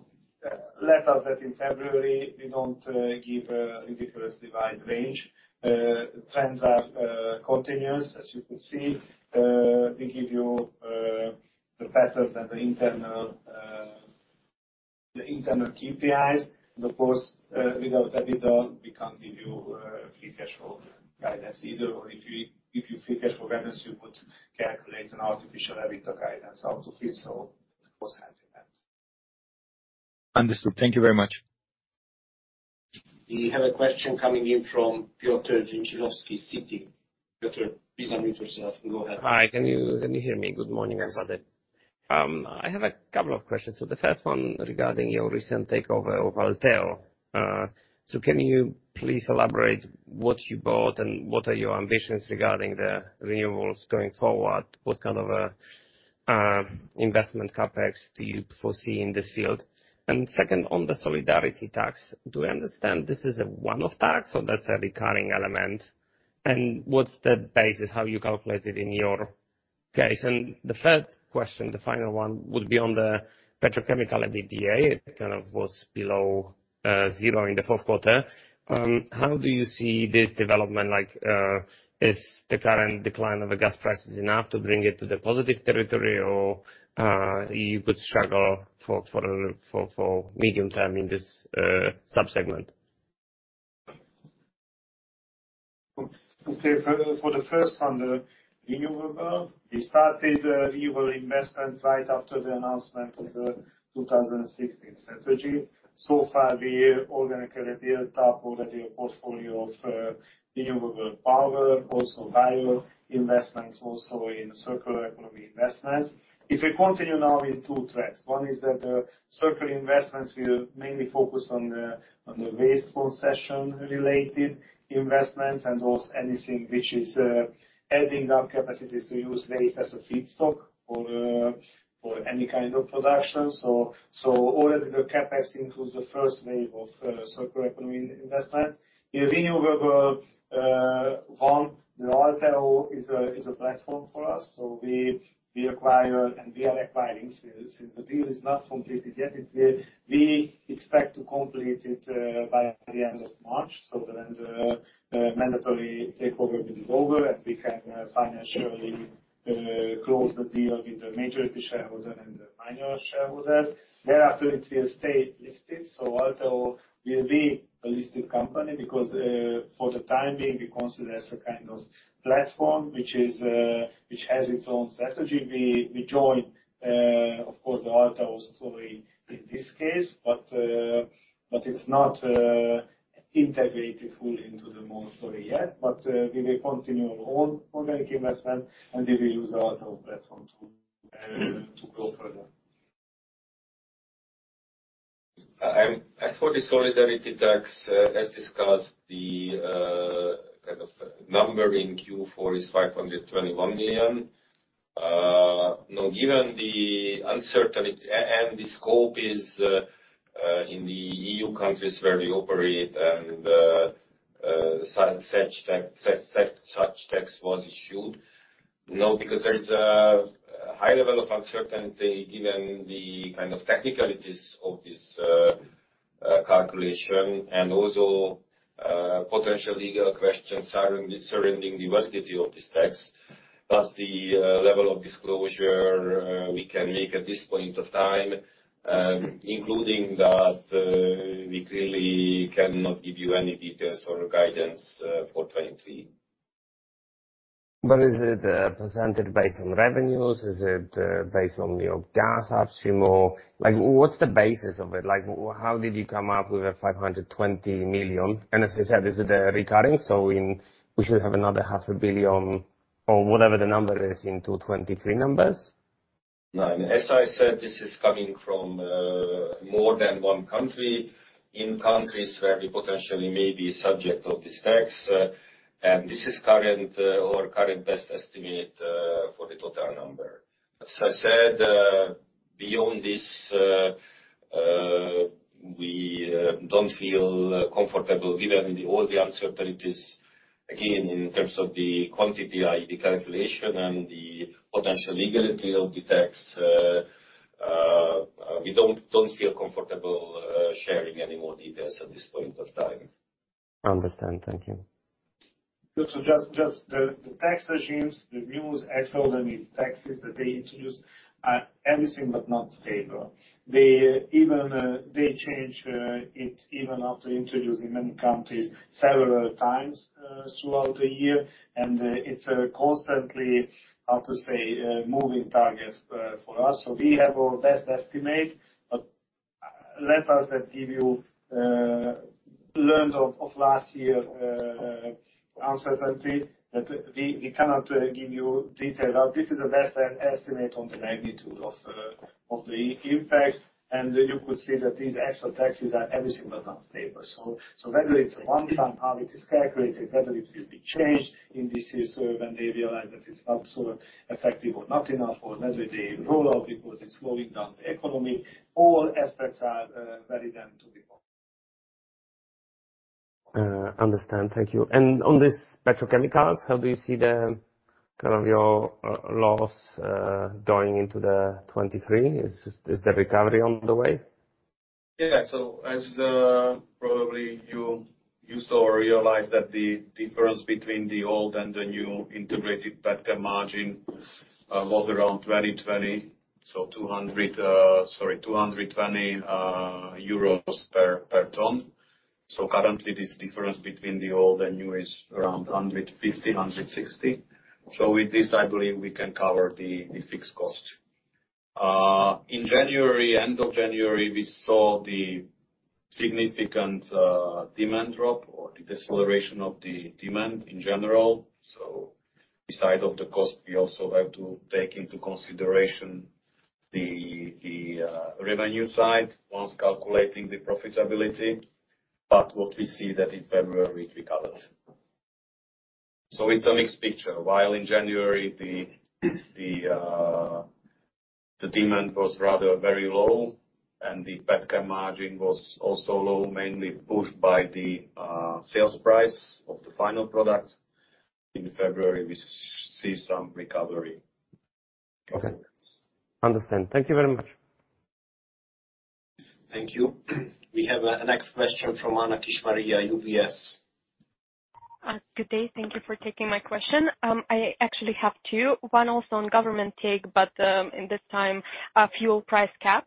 Speaker 2: Let us that in February we don't give a ridiculously wide range. Trends are continuous, as you could see. We give you the patterns and the internal, the internal KPIs. Of course, without EBITDA, we can't give you free cash flow guidance either. If you free cash flow guidance, you could calculate an artificial EBITDA guidance how to feel. It was handy then.
Speaker 9: Understood. Thank you very much.
Speaker 1: We have a question coming in from Piotr Dzieciolowski, Citi. Piotr, please unmute yourself and go ahead.
Speaker 10: Hi. Can you hear me? Good morning, everybody. I have a couple of questions. The first one regarding your recent takeover of Alteo. Can you please elaborate what you bought and what are your ambitions regarding the renewables going forward? What kind of investment CapEx do you foresee in this field? Second, on the solidarity tax, do I understand this is a one-off tax or that's a recurring element? What's the basis how you calculate it in your case? The third question, the final one, would be on the petrochemical EBITDA. It kind of was below zero in the Q4. How do you see this development like, is the current decline of the gas prices enough to bring it to the positive territory or, you could struggle for medium-term in this sub-segment?
Speaker 5: For the first one, the renewable, we started renewable investment right after the announcement of the 2016 strategy. So far, we organically built up already a portfolio of renewable power, also bio investments, also in circular economy investments. If we continue now with 2 threads. One is that the circular investments will mainly focus on the waste concession-related investments and also anything which is adding up capacities to use waste as a feedstock or any kind of production. Already the CapEx includes the first wave of circular economy investments. The renewable one, the Alteo is a platform for us, so we acquire and we are acquiring. Since the deal is not completed yet, it will. We expect to complete it by the end of March. The mandatory takeover will be over. We can financially close the deal with the majority shareholder and the minor shareholders. Thereafter, it will stay listed. Alteo will be a listed company because, for the time being, we consider as a kind of platform which is, which has its own strategy. We join, of course, the Alteo story in this case, but it's not integrated fully into the MOL story yet. We will continue on our organic investment. We will use Alteo platform to go further.
Speaker 2: For the Solidarity Tax, as discussed, the kind of number in Q4 is $521 million. Given the uncertainty and the scope is in the EU countries where we operate and such tax was issued. Because there's a high level of uncertainty given the kind of technicalities of this calculation and also potential legal questions surrounding the validity of this tax. The level of disclosure we can make at this point of time, including that, we clearly cannot give you any details or guidance for 2023.
Speaker 10: Is it, presented based on revenues? Is it, based on your gas option or like, what's the basis of it? Like, how did you come up with a $520 million? As you said, is it a recurring, we should have another half a billion or whatever the number is in 2023 numbers?
Speaker 2: No. As I said, this is coming from more than one country. In countries where we potentially may be subject of this tax, and this is current or current best estimate for the total number. As I said, beyond this, we don't feel comfortable given all the uncertainties, again, in terms of the quantity, i.e., the calculation and the potential legality of the tax. We don't feel comfortable sharing any more details at this point of time.
Speaker 10: Understand. Thank you.
Speaker 5: Just the tax regimes, the new extra limit taxes that they introduced, are anything but not stable. They even change it even after introducing many countries several times throughout the year. It's a constantly, how to say, moving target for us. Let us then give you learned of last year uncertainty that we cannot give you detail. This is the best estimate on the magnitude of the impact. You could say that these extra taxes are anything but not stable. Whether it's a one-time, how it is calculated, whether it will be changed in this year when they realize that it's not so effective or not enough, or whether they roll out because it's slowing down the economy, all aspects are, very down to the
Speaker 10: Understand. Thank you. On this petrochemicals, how do you see the, kind of your, loss, going into the 2023? Is the recovery on the way?
Speaker 2: Yeah. As, probably you saw or realized that the difference between the old and the new integrated petchem margin, was around 220, so 200, sorry, 220 euros per ton. Currently this difference between the old and new is around 150-160. With this, I believe we can cover the fixed cost. In January, end of January, we saw the significant demand drop or the deceleration of the demand in general. Beside of the cost, we also have to take into consideration the revenue side once calculating the profitability. What we see that in February it recovered. It's a mixed picture. While in January the demand was rather very low and the petchem margin was also low, mainly pushed by the sales price of the final product. In February we see some recovery.
Speaker 10: Okay. Understand. Thank you very much.
Speaker 1: Thank you. We have a next question from Anna Kishmariya, UBS.
Speaker 11: Good day. Thank you for taking my question. I actually have two. One also on government take, but, in this time a fuel price cap.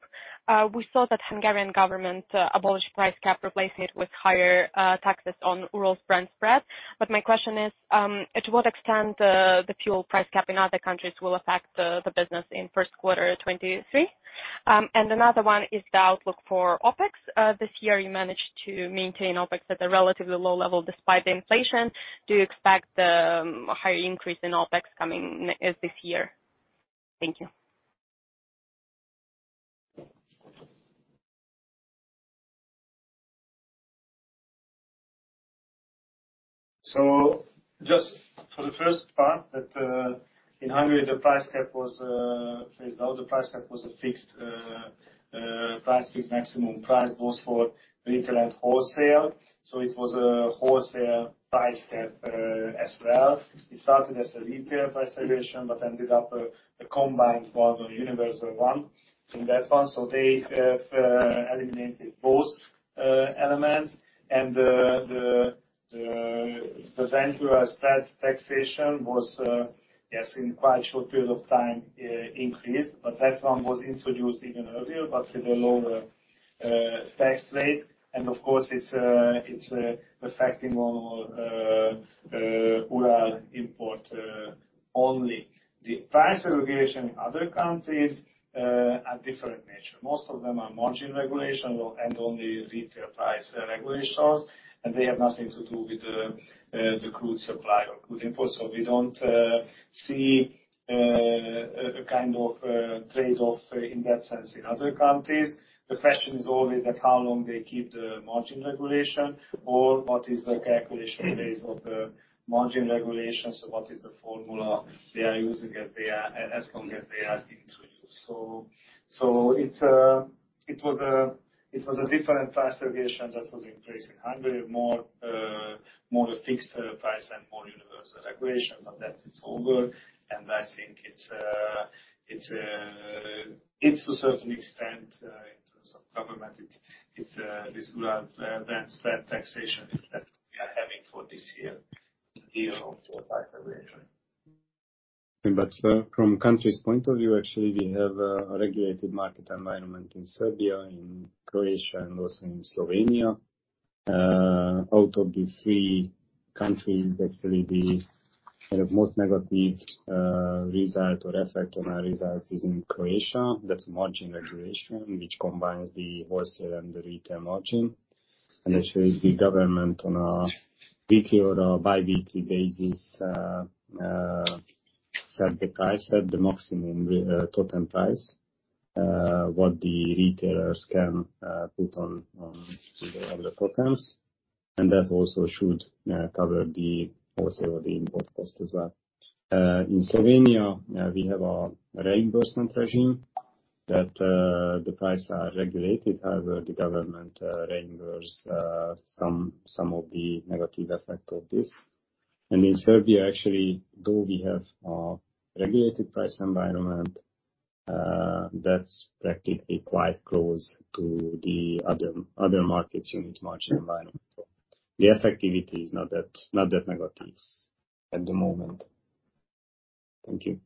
Speaker 11: We saw that Hungarian government abolish price cap, replace it with higher taxes on Urals-Brent spread. My question is, to what extent the fuel price cap in other countries will affect the business in Q1 2023? Another one is the outlook for OpEx. This year you managed to maintain OpEx at a relatively low level despite the inflation. Do you expect a higher increase in OpEx coming this year? Thank you.
Speaker 2: Just for the first part that in Hungary, the price cap was phased out. The price cap was a fixed price with maximum price, both for retail and wholesale, so it was a wholesale price cap as well. It started as a retail price regulation, but ended up a combined one or universal one in that one. They have eliminated both elements. The Urals spread taxation was yes, in quite short period of time, increased. That one was introduced even earlier, but with a lower tax rate. Of course, it's affecting all Urals import only. The price regulation in other countries are different nature. Most of them are margin regulation and only retail price regulations. They have nothing to do with the crude supply or crude import. We don't see a kind of trade-off in that sense in other countries. The question is always that how long they keep the margin regulation or what is the calculation base of the margin regulation. What is the formula they are using as long as they are introduced? It's it was a different price regulation that was in place in Hungary, more a fixed price and more universal regulation. That, it's over. I think it's it's to a certain extent, in terms of government, this Urals spread taxation is that we are having for this year in lieu of price regulation.
Speaker 5: From countries point of view, actually, we have a regulated market environment in Serbia, in Croatia, and also in Slovenia. Out of the three countries, actually, the kind of most negative result or effect on our results is in Croatia. That's margin regulation, which combines the wholesale and the retail margin. Actually, the government on a weekly or bi-weekly basis set the price at the maximum total price what the retailers can put on to the outlet programs. That also should cover the wholesale or the import cost as well. In Slovenia, we have a reimbursement regime that the prices are regulated. However, the government reimburses some of the negative effect of this. In Serbia, actually, though we have a regulated price environment, that's practically quite close to the other markets unit margin environment. The effectivity is not that negative at the moment. Thank you.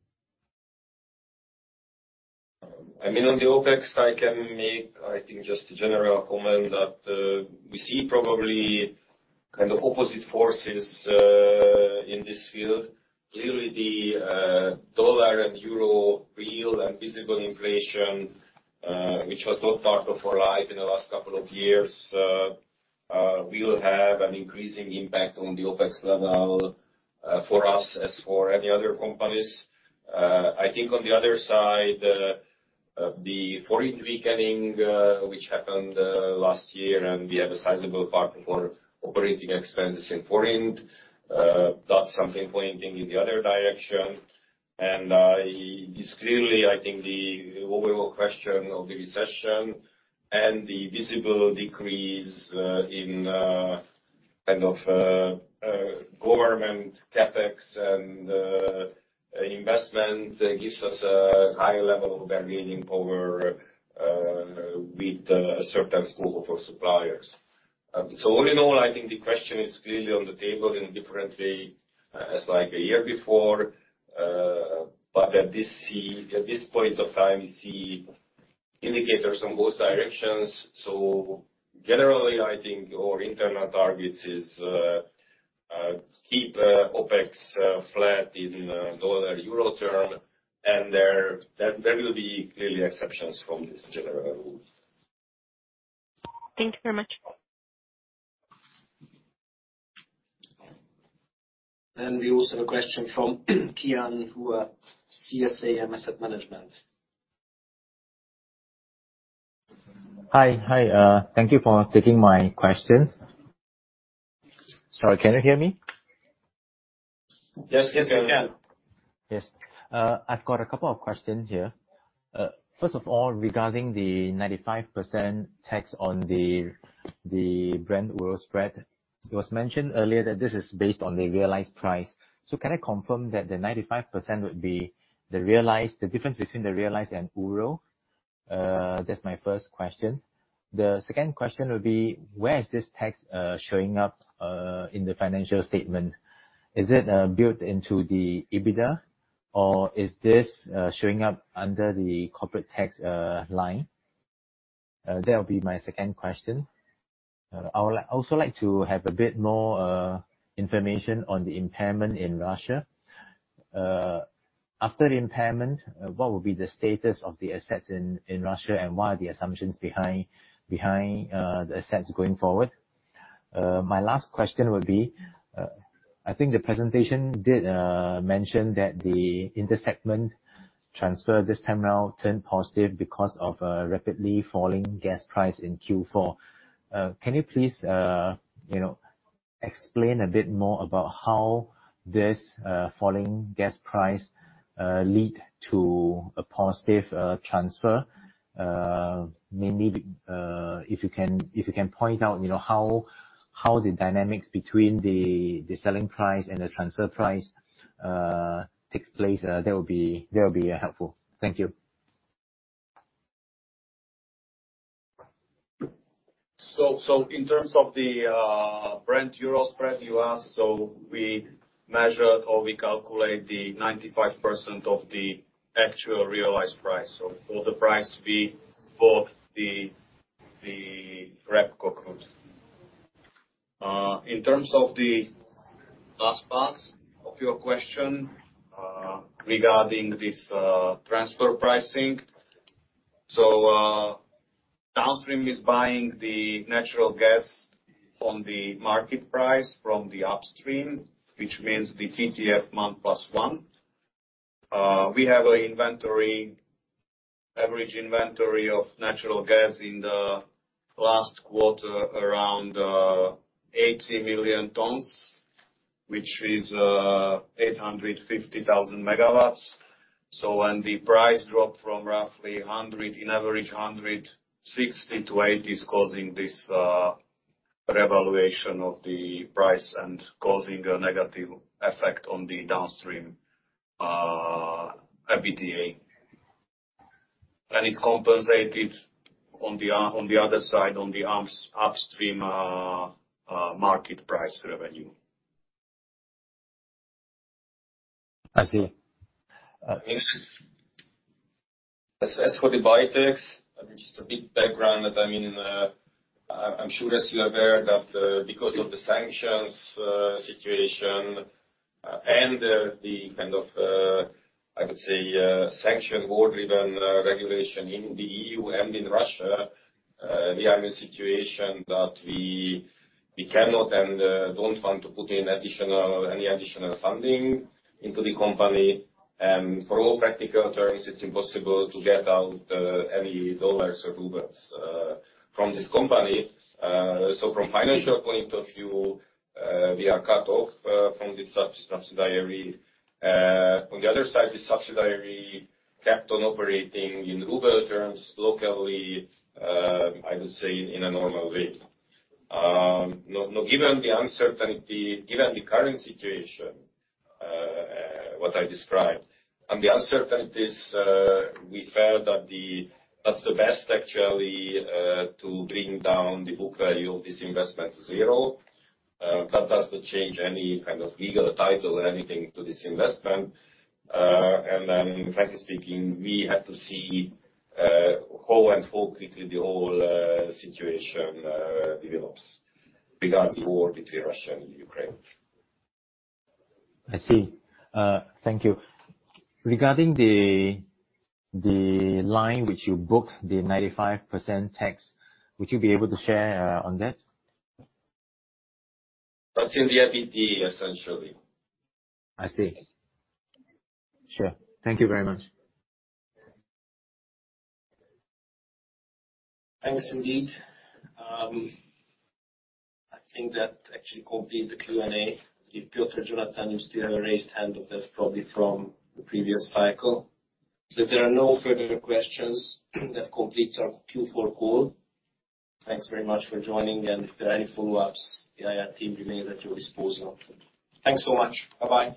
Speaker 2: I mean, on the OpEx, I can make, I think, just a general comment that we see probably kind of opposite forces in this field. Clearly, the dollar and euro real and visible inflation, which was not part of our life in the last couple of years, will have an increasing impact on the OpEx level for us as for any other companies. I think on the other side, the forint weakening, which happened last year, and we have a sizable part of our operating expenses in forint, that's something pointing in the other direction. It's clearly, I think, the overall question of the recession and the visible decrease in government CapEx and investment gives us a high level of bargaining power with a certain group of our suppliers. All in all, I think the question is clearly on the table in different way as like a year before. At this point of time, we see indicators on both directions. Generally, I think our internal targets is keep OpEx flat in dollar-euro term. There will be clearly exceptions from this general rule.
Speaker 11: Thank you very much.
Speaker 1: We also have a question from Kian Hua at CSA Asset Management.
Speaker 12: Hi. Hi. Thank you for taking my question. Sorry, can you hear me?
Speaker 2: Yes. Yes, we can.
Speaker 12: Yes. I've got a couple of questions here. First of all, regarding the 95% tax on the Brent-Urals spread. It was mentioned earlier that this is based on the realized price. Can I confirm that the 95% would be the difference between the realized and Urals? That's my first question. The second question would be, where is this tax showing up in the financial statement? Is it built into the EBITDA? Or is this showing up under the corporate tax line? That'll be my second question. I would also like to have a bit more information on the impairment in Russia. After the impairment, what would be the status of the assets in Russia, and what are the assumptions behind the assets going forward? My last question would be, I think the presentation did mention that the intersegment transfer this time around turned positive because of rapidly falling gas price in Q4. Can you please, you know, explain a bit more about how this falling gas price lead to a positive transfer? Maybe, if you can, if you can point out, you know, how the dynamics between the selling price and the transfer price takes place, that would be, that would be helpful. Thank you.
Speaker 3: In terms of the Brent-Urals spread you asked, we measured or we calculate the 95% of the actual realized price. For the price we bought the petcoke quote. In terms of the last part of your question regarding this transfer pricing. Downstream is buying the natural gas on the market price from the Upstream, which means the TTF month plus one. We have an inventory, average inventory of natural gas in the last quarter around 80 million tons, which is 850 megawatts. When the price dropped from roughly 100, in average 160 to 80 is causing this revaluation of the price and causing a negative effect on the Downstream EBITDA. It compensated on the other side, on the upstream, market price revenue.
Speaker 12: I see.
Speaker 3: For the Buytex, I mean, just a bit background that, I mean, I'm sure as you're aware that, because of the sanctions situation, and the kind of, I would say, sanction war-driven regulation in the EU and in Russia, we are in a situation that we cannot and don't want to put in any additional funding into the company. For all practical terms, it's impossible to get out any dollars or rubles from this company. From financial point of view, we are cut off from this sub-subsidiary. On the other side, the subsidiary kept on operating in ruble terms locally, I would say in a normal way. Now given the uncertainty, given the current situation, what I described, and the uncertainties, we felt that's the best actually to bring down the book value of this investment to zero. That doesn't change any kind of legal title or anything to this investment. Frankly speaking, we had to see how and how quickly the whole situation develops regarding the war between Russia and Ukraine.
Speaker 12: I see. Thank you. Regarding the line which you booked, the 95% tax, would you be able to share on that?
Speaker 3: That's in the EBITDA, essentially.
Speaker 12: I see. Sure. Thank you very much.
Speaker 1: Thanks, indeed. I think that actually completes the Q&A. If Piotr, Jonathan, you still have a raised hand, that's probably from the previous cycle. If there are no further questions, that completes our Q4 call. Thanks very much for joining, and if there are any follow-ups, the IR team remains at your disposal. Thanks so much. Bye-bye.